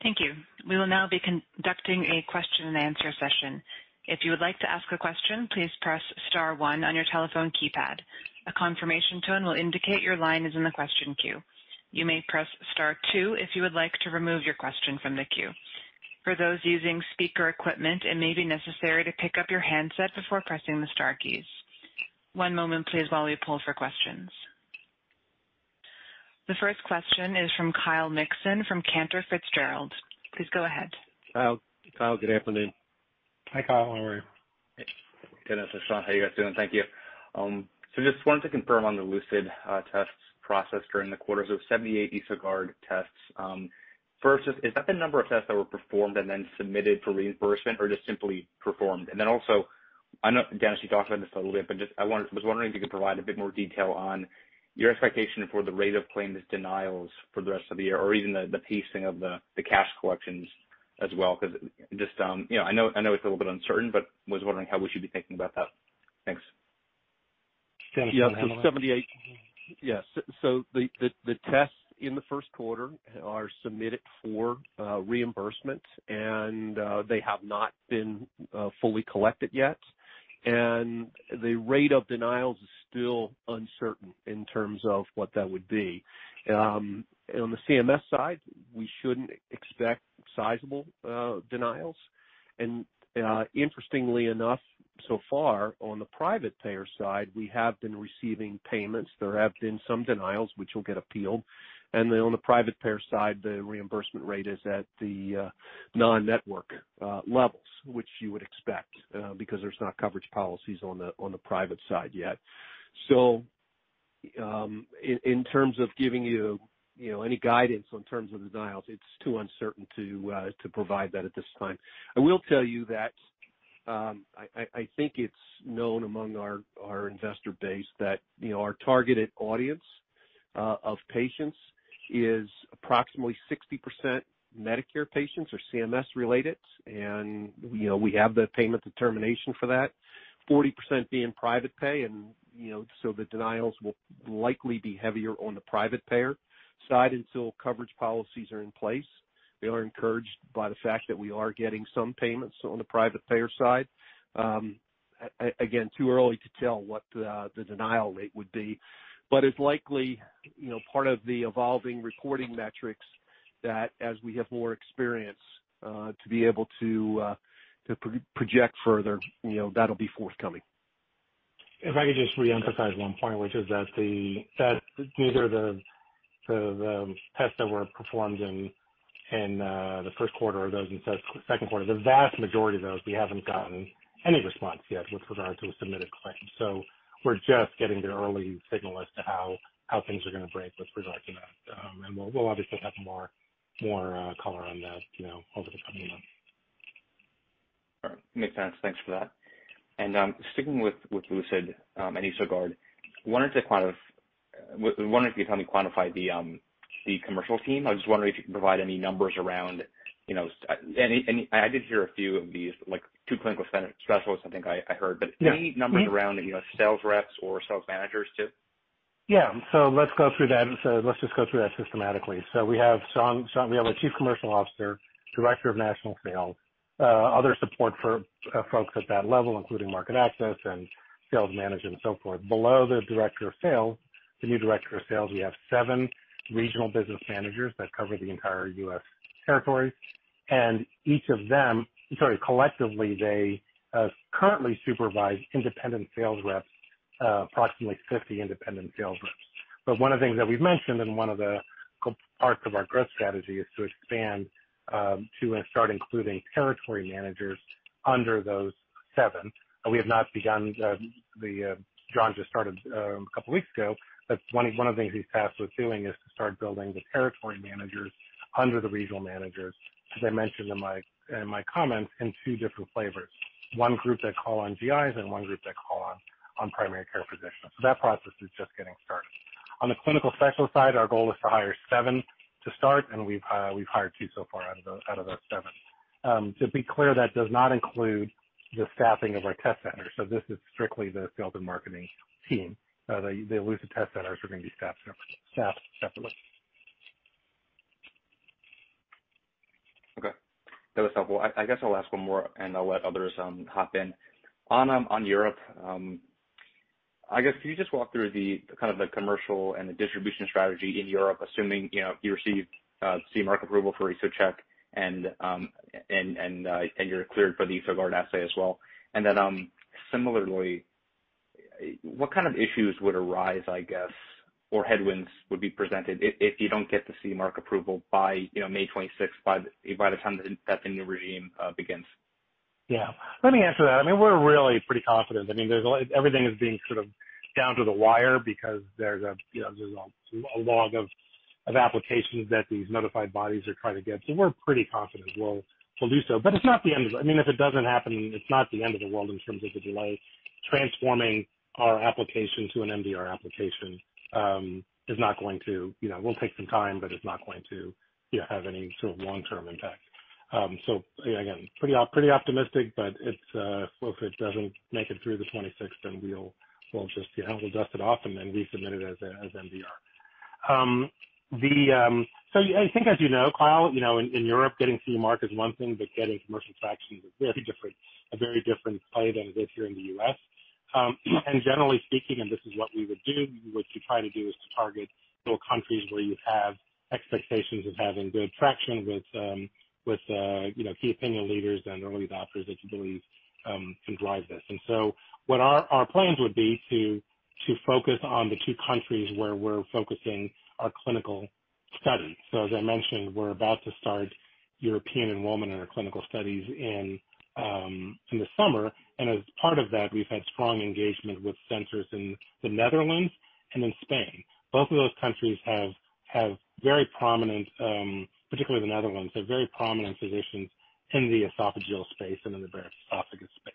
A: Thank you. We will now be conducting a question and answer session. If you would like to ask a question, please press star one on your telephone keypad. A confirmation tone will indicate your line is in the question queue. You may press star two if you would like to remove your question from the queue. For those using speaker equipment, it may be necessary to pick up your handset before pressing the star keys. One moment please while we poll for questions. The first question is from Kyle Mikson from Cantor Fitzgerald. Please go ahead.
C: Kyle, good afternoon.
D: Hi, Kyle. How are you?
E: Good. This is Sean. How you guys doing? Thank you. Just wanted to confirm on the Lucid tests processed during the quarter, 78 EsoGuard tests. First, is that the number of tests that were performed and then submitted for reimbursement or just simply performed? I know Dennis McGrath talked about this a little bit, but I was wondering if you could provide a bit more detail on your expectation for the rate of claims denials for the rest of the year or even the pacing of the cash collections as well, because I know it's a little bit uncertain, but was wondering how we should be thinking about that. Thanks.
D: The tests in the first quarter are submitted for reimbursement, and they have not been fully collected yet. The rate of denials is still uncertain in terms of what that would be. On the CMS side, we shouldn't expect sizable denials. Interestingly enough, so far on the private payer side, we have been receiving payments. There have been some denials, which will get appealed. On the private payer side, the reimbursement rate is at the non-network levels, which you would expect because there's not coverage policies on the private side yet. In terms of giving you any guidance on terms of denials, it's too uncertain to provide that at this time. I will tell you that I think it's known among our investor base that our targeted audience of patients is approximately 60% Medicare patients or CMS related, and we have the payment determination for that, 40% being private pay. The denials will likely be heavier on the private payer side until coverage policies are in place. We are encouraged by the fact that we are getting some payments on the private payer side. Again, too early to tell what the denial rate would be, but it's likely part of the evolving reporting metrics that as we have more experience to be able to project further, that'll be forthcoming.
C: If I could just reemphasize one point, which is that these are the tests that were performed in the first quarter, those in the second quarter. The vast majority of those, we haven't gotten any response yet with regard to a submitted claim. We're just getting the early signal as to how things are going to break with regard to that, and we'll obviously have more color on that over the coming months.
E: Makes sense. Thanks for that. Sticking with Lucid and EsoGuard, I was wondering if you can quantify the commercial team. I was wondering if you can provide any numbers around, I did hear a few of these, like two clinical specialists I think I heard.
D: Yeah.
E: Any numbers around sales reps or sales managers too?
D: Let's just go through that systematically. We have a chief commercial officer, director of national sales, other support for folks at that level, including market access and sales management, and so forth. Below the director of sales, the new director of sales, we have seven regional business managers that cover the entire U.S. territory. Collectively, they currently supervise independent sales reps, approximately 50 independent sales reps. One of the things that we mentioned and one of the parts of our growth strategy is to expand to and start including territory managers under those seven. We have not begun. John just started a couple of weeks ago. That's one of the things he's tasked with doing is to start building the territory managers under the regional managers, as I mentioned in my comments, in two different flavors: one group that call on GIs and one group that call on primary care physicians. That process is just getting started. On the clinical cycle side, our goal is to hire seven to start, and we've hired two so far out of those seven. To be clear, that does not include the staffing of our test centers. This is strictly the sales and marketing team. The Lucid test centers are going to be staffed separately.
E: Okay. That was helpful. I guess I'll ask one more, and I'll let others hop in. On Europe, I guess can you just walk through the commercial and the distribution strategy in Europe, assuming you receive CE mark approval for EsoCheck and you're cleared for the EsoGuard assay as well? Similarly, what kind of issues would arise, I guess, or headwinds would be presented if you don't get the CE mark approval by May 26th, by the time that the new regime begins?
C: Yeah. Let me answer that. We're really pretty confident. Everything is being sort of down to the wire because there's a log of applications that these notified bodies are trying to get. We're pretty confident we'll do so. It's not the end. If it doesn't happen, it's not the end of the world in terms of the delay. Transforming our application to an MDR application will take some time, but it's not going to have any sort of long-term impact. Again, pretty optimistic, but if it doesn't make it through the 26th, then we'll just dust it off and then resubmit it as MDR. I think as you know, Kyle, in Europe, getting CE Mark is one thing, but getting commercial traction is a very different play than it is here in the U.S. Generally speaking, and this is what we would do, what you try to do is to target countries where you have expectations of having good traction with the opinion leaders and early adopters that can really drive this. What our plans would be to focus on the two countries where we're focusing our clinical studies. As I mentioned, we're about to start European enrollment in our clinical studies in the summer. As part of that, we've had strong engagement with centers in the Netherlands and in Spain. Both of those countries have very prominent, particularly the Netherlands, have very prominent positions in the esophageal space and in the Barrett's Esophagus space.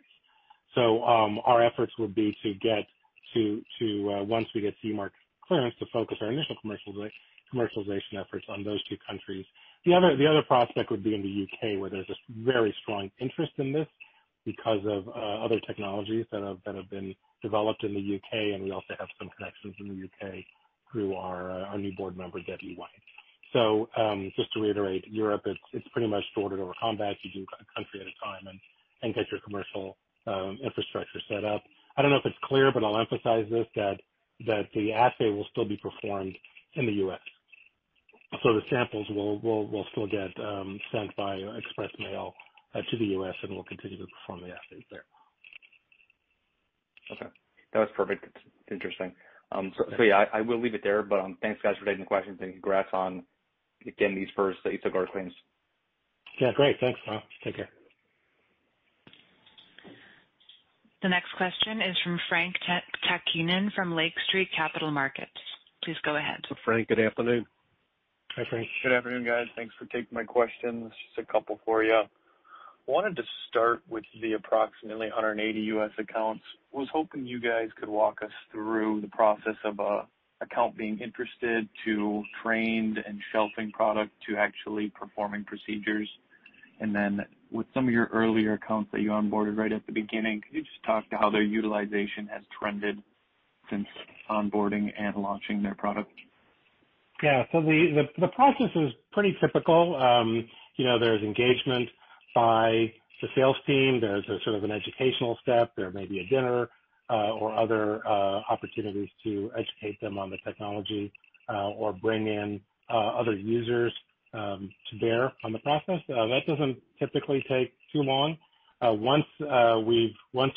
C: Our efforts would be to get to, once we get CE mark clearance, to focus our initial commercialization efforts on those two countries. The other prospect would be in the U.K., where there's a very strong interest in this because of other technologies that have been developed in the U.K., and we also have some connections in the U.K. through our new board member, Debbie White. Just to reiterate, Europe is pretty much sorted over how about you do country at a time and get your commercial infrastructure set up. I don't know if it's clear, but I'll emphasize this, that the assay will still be performed in the U.S. The samples will still get sent by express mail to the U.S., and we'll continue to perform the assay there.
E: Okay. That's perfect. Interesting. I will leave it there, but thanks guys for taking the questions and congrats on getting these first EsoGuard claims.
C: Yeah, great. Thanks, Kyle. Take care.
A: The next question is from Frank Takkinen from Lake Street Capital Markets. Please go ahead.
C: Hi, Frank. Good afternoon.
F: Good afternoon, guys. Thanks for taking my questions. Just a couple for you. I wanted to start with the approximately 180 U.S. accounts. Was hoping you guys could walk us through the process of an account being interested to trained and shelfing product to actually performing procedures? With some of your earlier accounts that you onboarded right at the beginning, can you just talk to how their utilization has trended since onboarding and launching their product?
C: Yeah. The process is pretty typical. There's engagement by the sales team. There's a sort of an educational step. There may be a dinner or other opportunities to educate them on the technology or bring in other users to bear on the process. That doesn't typically take too long. Once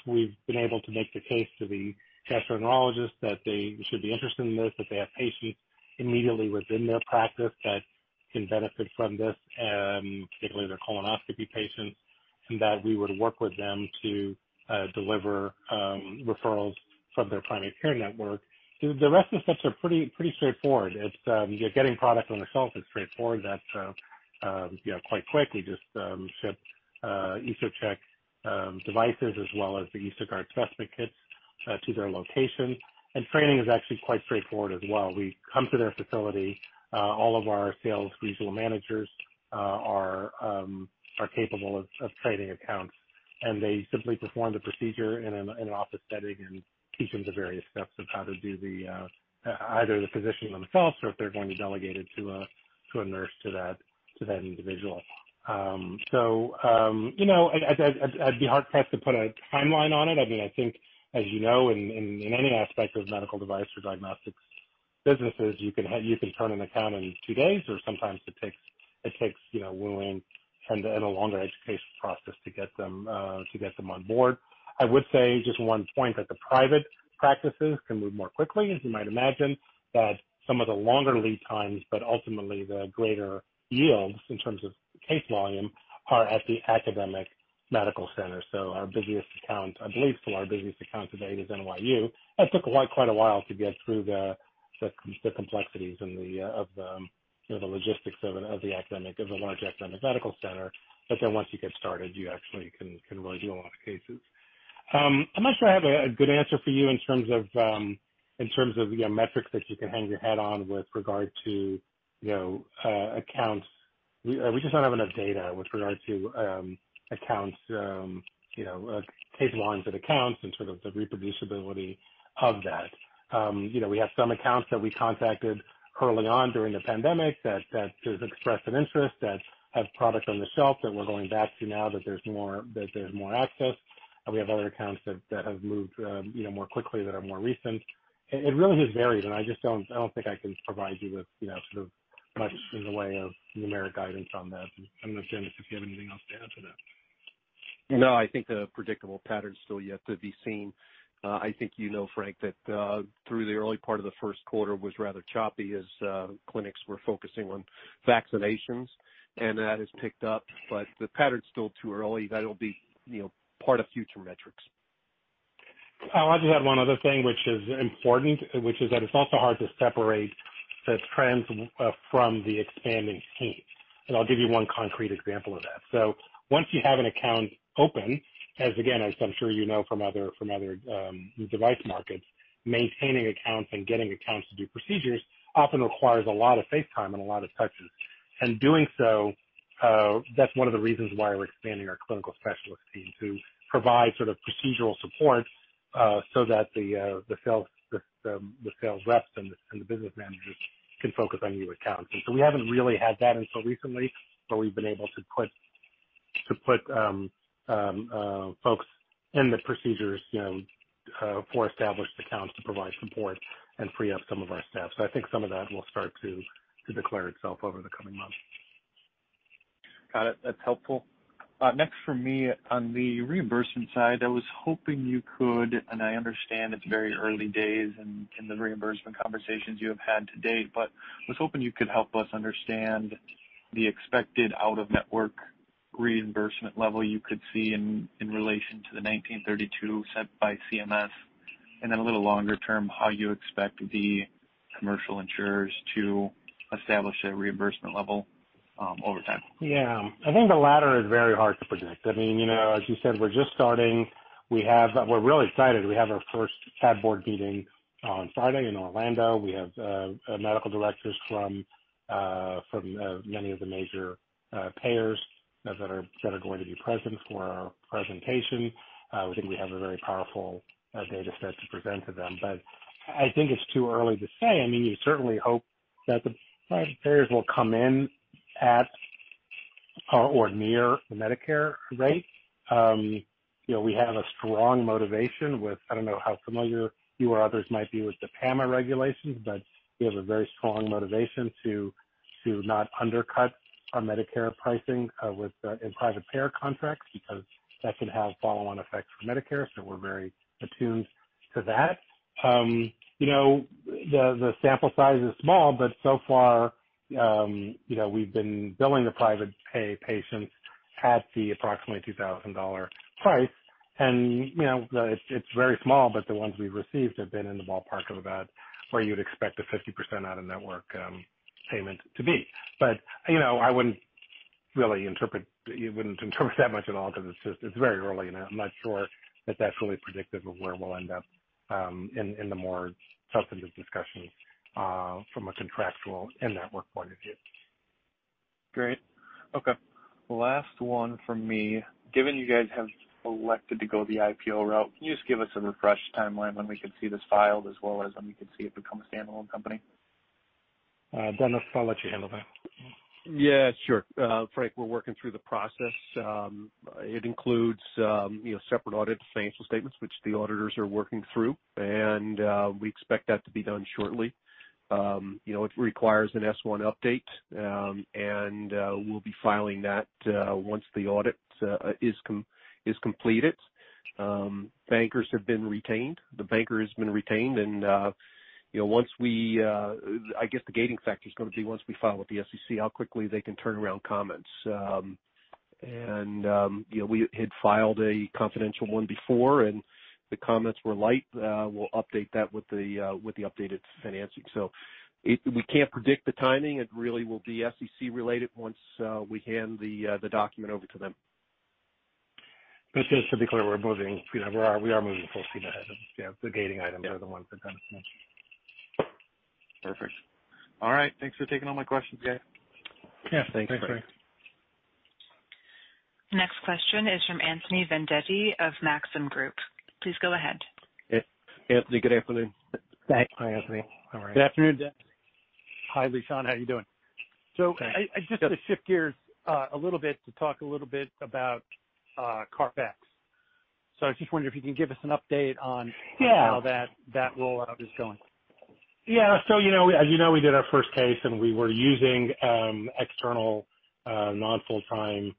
C: we've been able to make the case to the gastroenterologist that they should be interested in this, that they have patients immediately within their practice that can benefit from this, particularly their colonoscopy patients, and that we would work with them to deliver referrals from their primary care network. The rest of the steps are pretty straightforward. Getting product on the shelf is straightforward. That's quite quickly just shipped EsoCheck devices as well as the EsoGuard specimen kits to their location. Training is actually quite straightforward as well. We come to their facility. All of our sales regional managers are capable of training accounts. They simply perform the procedure in an office setting and teach them the various steps of how to do either the physician themselves or if they're going to delegate it to a nurse, to that individual. I'd be hard-pressed to put a timeline on it. I think as you know, in any aspect of medical device or diagnostics businesses, you can turn an account in two days, or sometimes it takes willing, tend to have a longer education process to get them on board. I would say just one point that the private practices can move more quickly, as you might imagine, that some of the longer lead times. Ultimately the greater yields in terms of case volume are at the academic medical center. Our busiest account, I believe still our busiest account to date is NYU. That took quite a while to get through the complexities and the logistics of the academic large medical center. Once you get started, you actually can do a lot of cases. I'm not sure I have a good answer for you in terms of the metrics that you can hang your head on with regard to accounts. We just don't have enough data with regard to accounts, case lines of accounts, and sort of the reproducibility of that. We have some accounts that we contacted early on during the pandemic that expressed an interest, that have product on the shelf that we're going back to now that there's more access. We have other accounts that have moved more quickly, that are more recent. It really just varies, and I just don't think I can provide you with sort of much in the way of numeric guidance on that. I'm not saying if you have anything else to add to that.
D: I think a predictable pattern still yet to be seen. I think you know, Frank, that through the early part of the first quarter was rather choppy as clinics were focusing on vaccinations, and that has picked up. The pattern's still too early. That'll be part of future metrics.
C: I'll add one other thing which is important, which is that it's also hard to separate the trends from the expanding team. I'll give you one concrete example of that. Once you have an account open, as again, as I'm sure you know from other device markets, maintaining accounts and getting accounts to do procedures often requires a lot of face time and a lot of touches. Doing so, that's one of the reasons why we're expanding our clinical specialist team to provide sort of procedural support, so that the sales system, the sales reps, and the business managers can focus on new accounts. We haven't really had that until recently, where we've been able to put folks in the procedures for established accounts to provide support and free up some of our staff. I think some of that will start to declare itself over the coming months.
F: Got it. That's helpful. Next for me, on the reimbursement side, I was hoping you could, and I understand it's very early days in the reimbursement conversations you have had to date, but I was hoping you could help us understand the expected out-of-network reimbursement level you could see in relation to the 1932 set by CMS and a little longer term, how you expect the commercial insurers to establish a reimbursement level over time.
C: I think the latter is very hard to predict. As you said, we're just starting. We're really excited. We have our first advisory board meeting on Friday in Orlando. We have medical directors from many of the major payers that are going to be present for our presentation. We think we have a very powerful data set to present to them. I think it's too early to say. We certainly hope that the private payers will come in at or near the Medicare rate. We have a strong motivation with, I don't know how familiar you or others might be with the PAMA regulations, but we have a very strong motivation to not undercut our Medicare pricing in private payer contracts because that can have follow-on effects for Medicare. We're very attuned to that. The sample size is small. So far, we've been billing the private pay patients at the approximately $2,000 price. It's very small, but the ones we've received have been in the ballpark of about where you'd expect a 50% out-of-network payment to be. I wouldn't interpret that much at all because it's very early, and I'm not sure if that's really predictive of where we'll end up in the more substantive discussions from a contractual in-network point of view.
F: Great. Okay. Last one from me. Given you guys have elected to go the IPO route, can you just give us a refresh timeline when we can see this filed as well as when we can see it become a standalone company?
C: Dennis, I'll let you handle that.
D: Sure. Frank, we're working through the process. It includes separate audited financial statements, which the auditors are working through, and we expect that to be done shortly. It requires an S-1 update, and we'll be filing that once the audit is completed. Bankers have been retained. The banker has been retained, and I guess the gating factor is going to be once we file with the SEC, how quickly they can turn around comments. We had filed a confidential one before, and the comments were light. We'll update that with the updated financing. We can't predict the timing. It really will be SEC related once we hand the document over to them.
C: Just to be clear, we're moving full steam ahead. The gating item is once we're done.
F: Perfect. All right. Thanks for taking all my questions, guys.
C: Yeah. Thanks, Frank.
A: Next question is from Anthony Vendetti of Maxim Group. Please go ahead.
G: Yeah. Good afternoon.
C: Hi, Anthony. How are you?
G: Afternoon. Hi, Lishan. How you doing?
C: Good.
G: I just want to shift gears a little bit to talk a little bit about CarpX. I just wonder if you can give us an update on.
C: Yeah.
G: How that rollout is going.
C: Yeah. We did our first case, and we were using external non-full time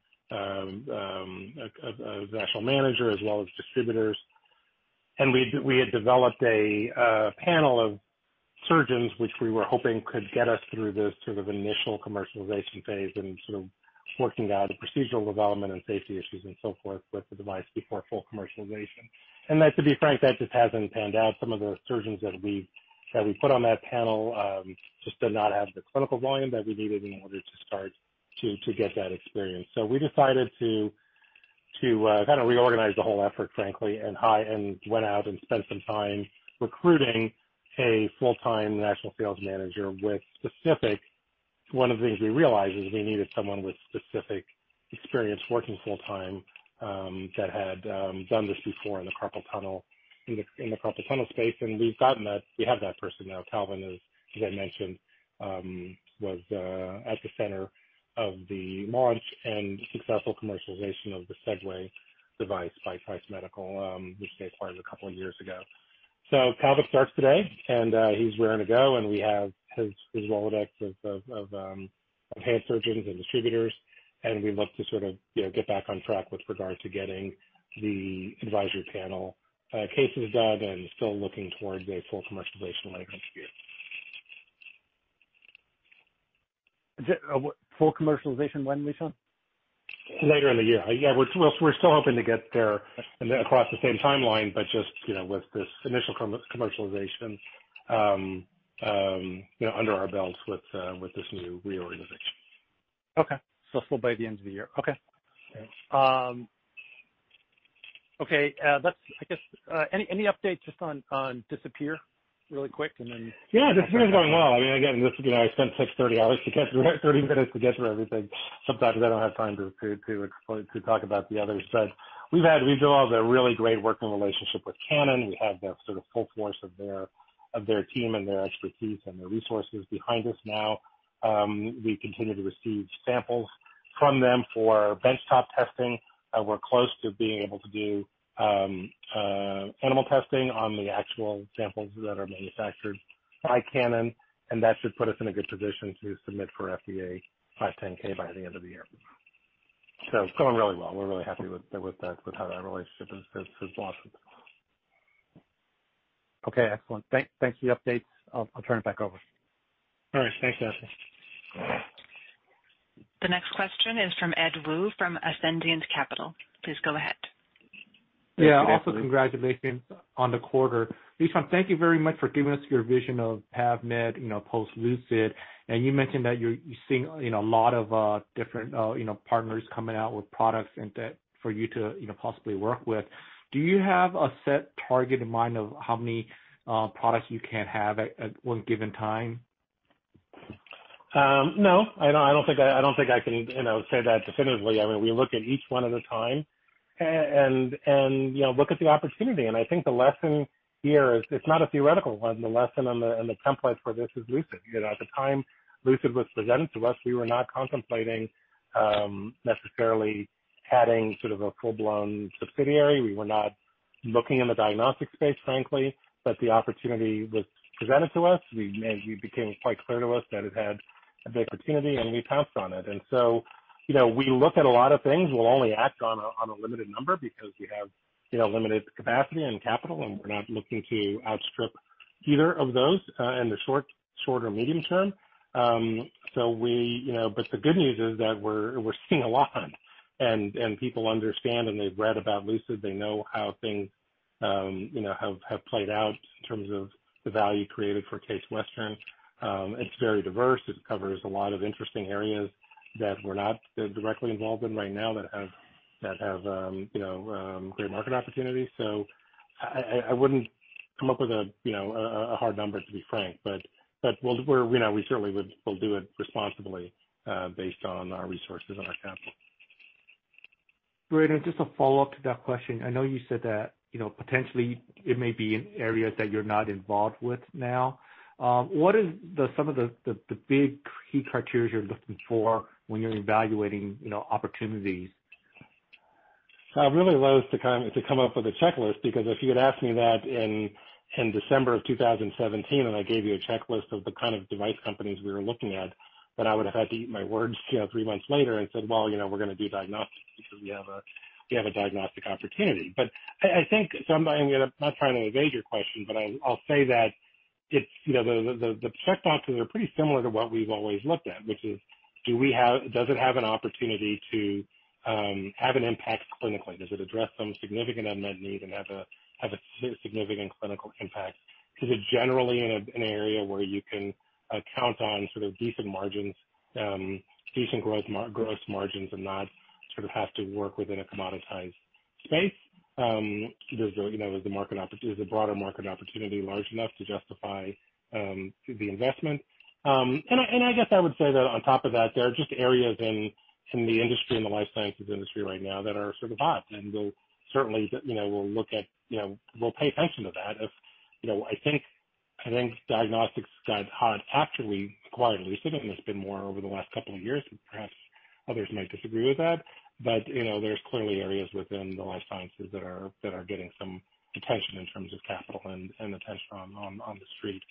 C: national manager as well as distributors. We had developed a panel of surgeons, which we were hoping could get us through the sort of initial commercialization phase and sort of working out procedural development and safety issues and so forth with the device before full commercialization. To be frank, that just hasn't panned out. Some of those surgeons that we put on that panel just did not have the clinical volume that we needed in order to start to get that experience. We decided to kind of reorganize the whole effort, frankly, and went out and spent some time recruiting a full-time national field manager with specific. One of the things we realized is we needed someone with specific experience working full time, that had done this before in the carpal tunnel space, and we have that person now. Calvin, as I mentioned, was at the center of the launch and successful commercialization of the Segway device by Trice Medical, which they acquired a couple of years ago. Calvin starts today, and he's raring to go, and he has his Rolodex of hand surgeons and distributors, and we look to sort of get back on track with regard to getting the advisory panel cases done and still looking towards a full commercialization later in this year.
G: Is that full commercialization by later this year?
C: Later in the year. Yeah, we're still hoping to get there and across the same timeline, but just with this initial commercialization under our belts with this new reorganization.
G: Okay.
C: Still by the end of the year.
G: Okay. I guess any updates just on DisappEAR really quick?
C: Yeah, DisappEAR is going well. Again, listen, I spent 30 minutes to get through everything, so I'm glad I had time to talk about the others. We've had a really great working relationship with Canon. We have the full force of their team and their expertise and their resources behind us now. We continue to receive samples from them for bench-top testing. We're close to being able to do animal testing on the actual samples that are manufactured by Canon, and that should put us in a good position to submit for FDA 510 by the end of the year. It's going really well. We're really happy with how that relationship has blossomed.
G: Okay, excellent. Thanks for the updates. I'll turn it back over.
C: All right. Thanks, Anthony Vendetti.
A: The next question is from Ed Woo from Ascendiant Capital. Please go ahead.
H: Yeah, also congratulations on the quarter. Lishan, thank you very much for giving us your vision of PAVmed post-Lucid. You mentioned that you're seeing a lot of different partners coming out with products for you to possibly work with. Do you have a set target in mind of how many products you can have at one given time?
C: No, I don't think I can say that definitively. We look at each one at a time and look at the opportunity. I think the lesson here is it's not a theoretical one. The lesson and the template for this is Lucid. At the time Lucid was presented to us, we were not contemplating necessarily having a full-blown subsidiary. We were not looking in the diagnostic space, frankly. The opportunity was presented to us. It became quite clear to us that it had a big opportunity, and we pounced on it. We look at a lot of things. We'll only act on a limited number because we have limited capacity and capital, and we're not looking to outstrip either of those in the short or medium term. The good news is that we're seeing a lot, and people understand and they've read about Lucid. They know how things have played out in terms of the value created for Case Western. It's very diverse. It covers a lot of interesting areas that we're not directly involved in right now that have great market opportunity. I wouldn't come up with a hard number, to be frank. We certainly would do it responsibly based on our resources and our capital.
H: Great. Just a follow-up to that question. I know you said that potentially it may be an area that you're not involved with now. What are some of the big key criteria you're looking for when you're evaluating opportunities?
C: I really loathe to come up with a checklist, because if you'd asked me that in December of 2017 when I gave you a checklist of the kind of device companies we were looking at, that I would have had to eat my words three months later and said, "Well, we're going to do diagnostics because we have a diagnostic opportunity." I'm not trying to evade your question, but I'll say that the check boxes are pretty similar to what we've always looked at, which is, does it have an opportunity to have an impact clinically? Does it address some significant unmet need and have a significant clinical impact? Is it generally in an area where you can count on decent growth margins and not have to work within a commoditized space? Is the broader market opportunity large enough to justify the investment? I guess I would say that on top of that, there are just areas in the industry, in the life sciences industry right now that are sort of hot, and we'll pay attention to that. I think diagnostics got hot after we acquired Lucid, it's been more over the last couple of years, and perhaps others might disagree with that. There's clearly areas within the life sciences that are getting some attention in terms of capital and attention on the street.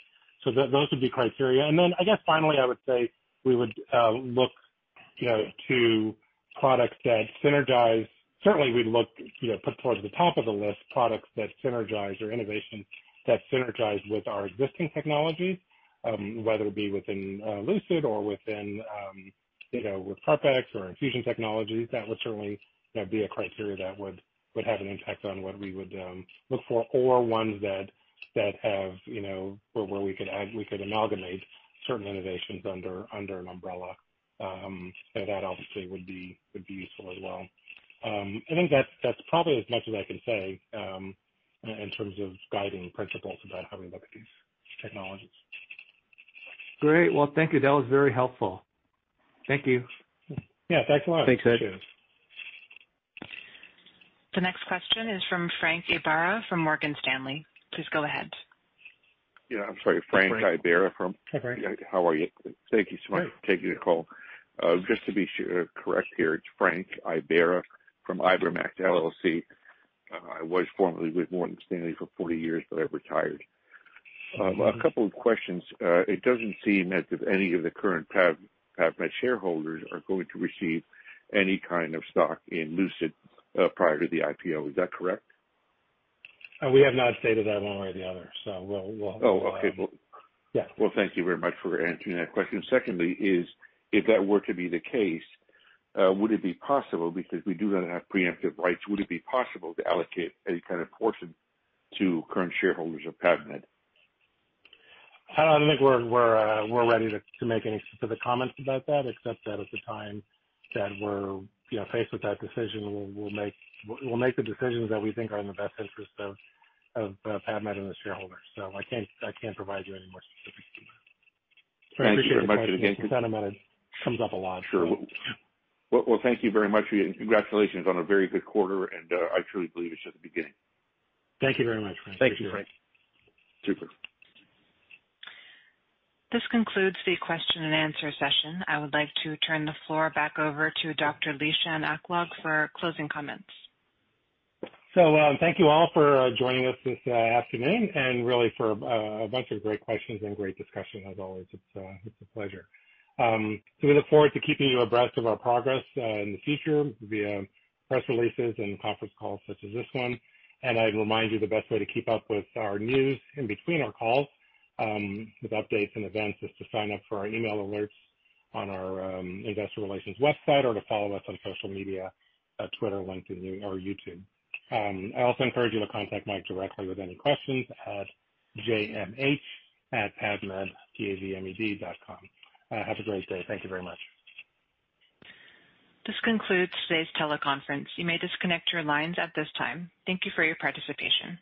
C: Those are the criteria. Then I guess finally, I would say we would look to products that synergize. Certainly, we'd look towards the top of the list, products that synergize or innovations that synergize with our existing technologies, whether it be within Lucid or within CarpX or Effusion Technologies. That would certainly be a criteria that would have an impact on what we would look for, or ones where we could aggregate certain innovations under an umbrella. That obviously would be useful as well. I think that's probably as much as I can say in terms of guiding principles about how we look at these technologies.
H: Great. Well, thank you. That was very helpful. Thank you.
C: Yeah, thanks a lot.
H: Thanks.
A: The next question is from Frank Ibarra from Morgan Stanley. Please go ahead.
I: Yeah. I'm sorry, Frank Ibarra.
C: Frank.
I: How are you? Thank you so much for taking the call. Just to be sure, correct here, it's Frank Ibarra from Ibermac LLC. I was formerly with Morgan Stanley for 40 years, but I retired. A couple of questions. It doesn't seem as if any of the current PAVmed shareholders are going to receive any kind of stock in Lucid prior to the IPO. Is that correct?
C: We have not stated that one way or the other.
I: Oh, okay.
C: Yeah.
I: Well, thank you very much for answering that question. Secondly is, if that were to be the case, would it be possible, because we do have preemptive rights, would it be possible to allocate any kind of portion to current shareholders of PAVmed?
C: I don't think we're ready to make any specific comments about that, except that at the time that we're faced with that decision, we'll make the decisions that we think are in the best interest of PAVmed and the shareholders. I can't provide you any more specifics than that.
I: Thank you very much.
C: I appreciate it.
I: Best of luck. Sure. Well, thank you very much. Congratulations on a very good quarter, and I truly believe it's just the beginning.
C: Thank you very much, Frank.
D: Thank you, Frank.
I: Super.
A: This concludes the question and answer session. I would like to turn the floor back over to Dr. Lishan Aklog for closing comments.
C: Thank you all for joining us this afternoon and really for a bunch of great questions and great discussion as always. It's a pleasure. We look forward to keeping you abreast of our progress in the future via press releases and conference calls such as this one, and I'd remind you the best way to keep up with our news in between our calls with updates and events is to sign up for our email alerts on our investor relations website or to follow us on social media at Twitter, LinkedIn, or YouTube. I also encourage you to contact Mike Havrilla directly with any questions at jmh@pavmed, pavmed.com. Have a great day. Thank you very much.
A: This concludes today's teleconference. You may disconnect your lines at this time. Thank you for your participation.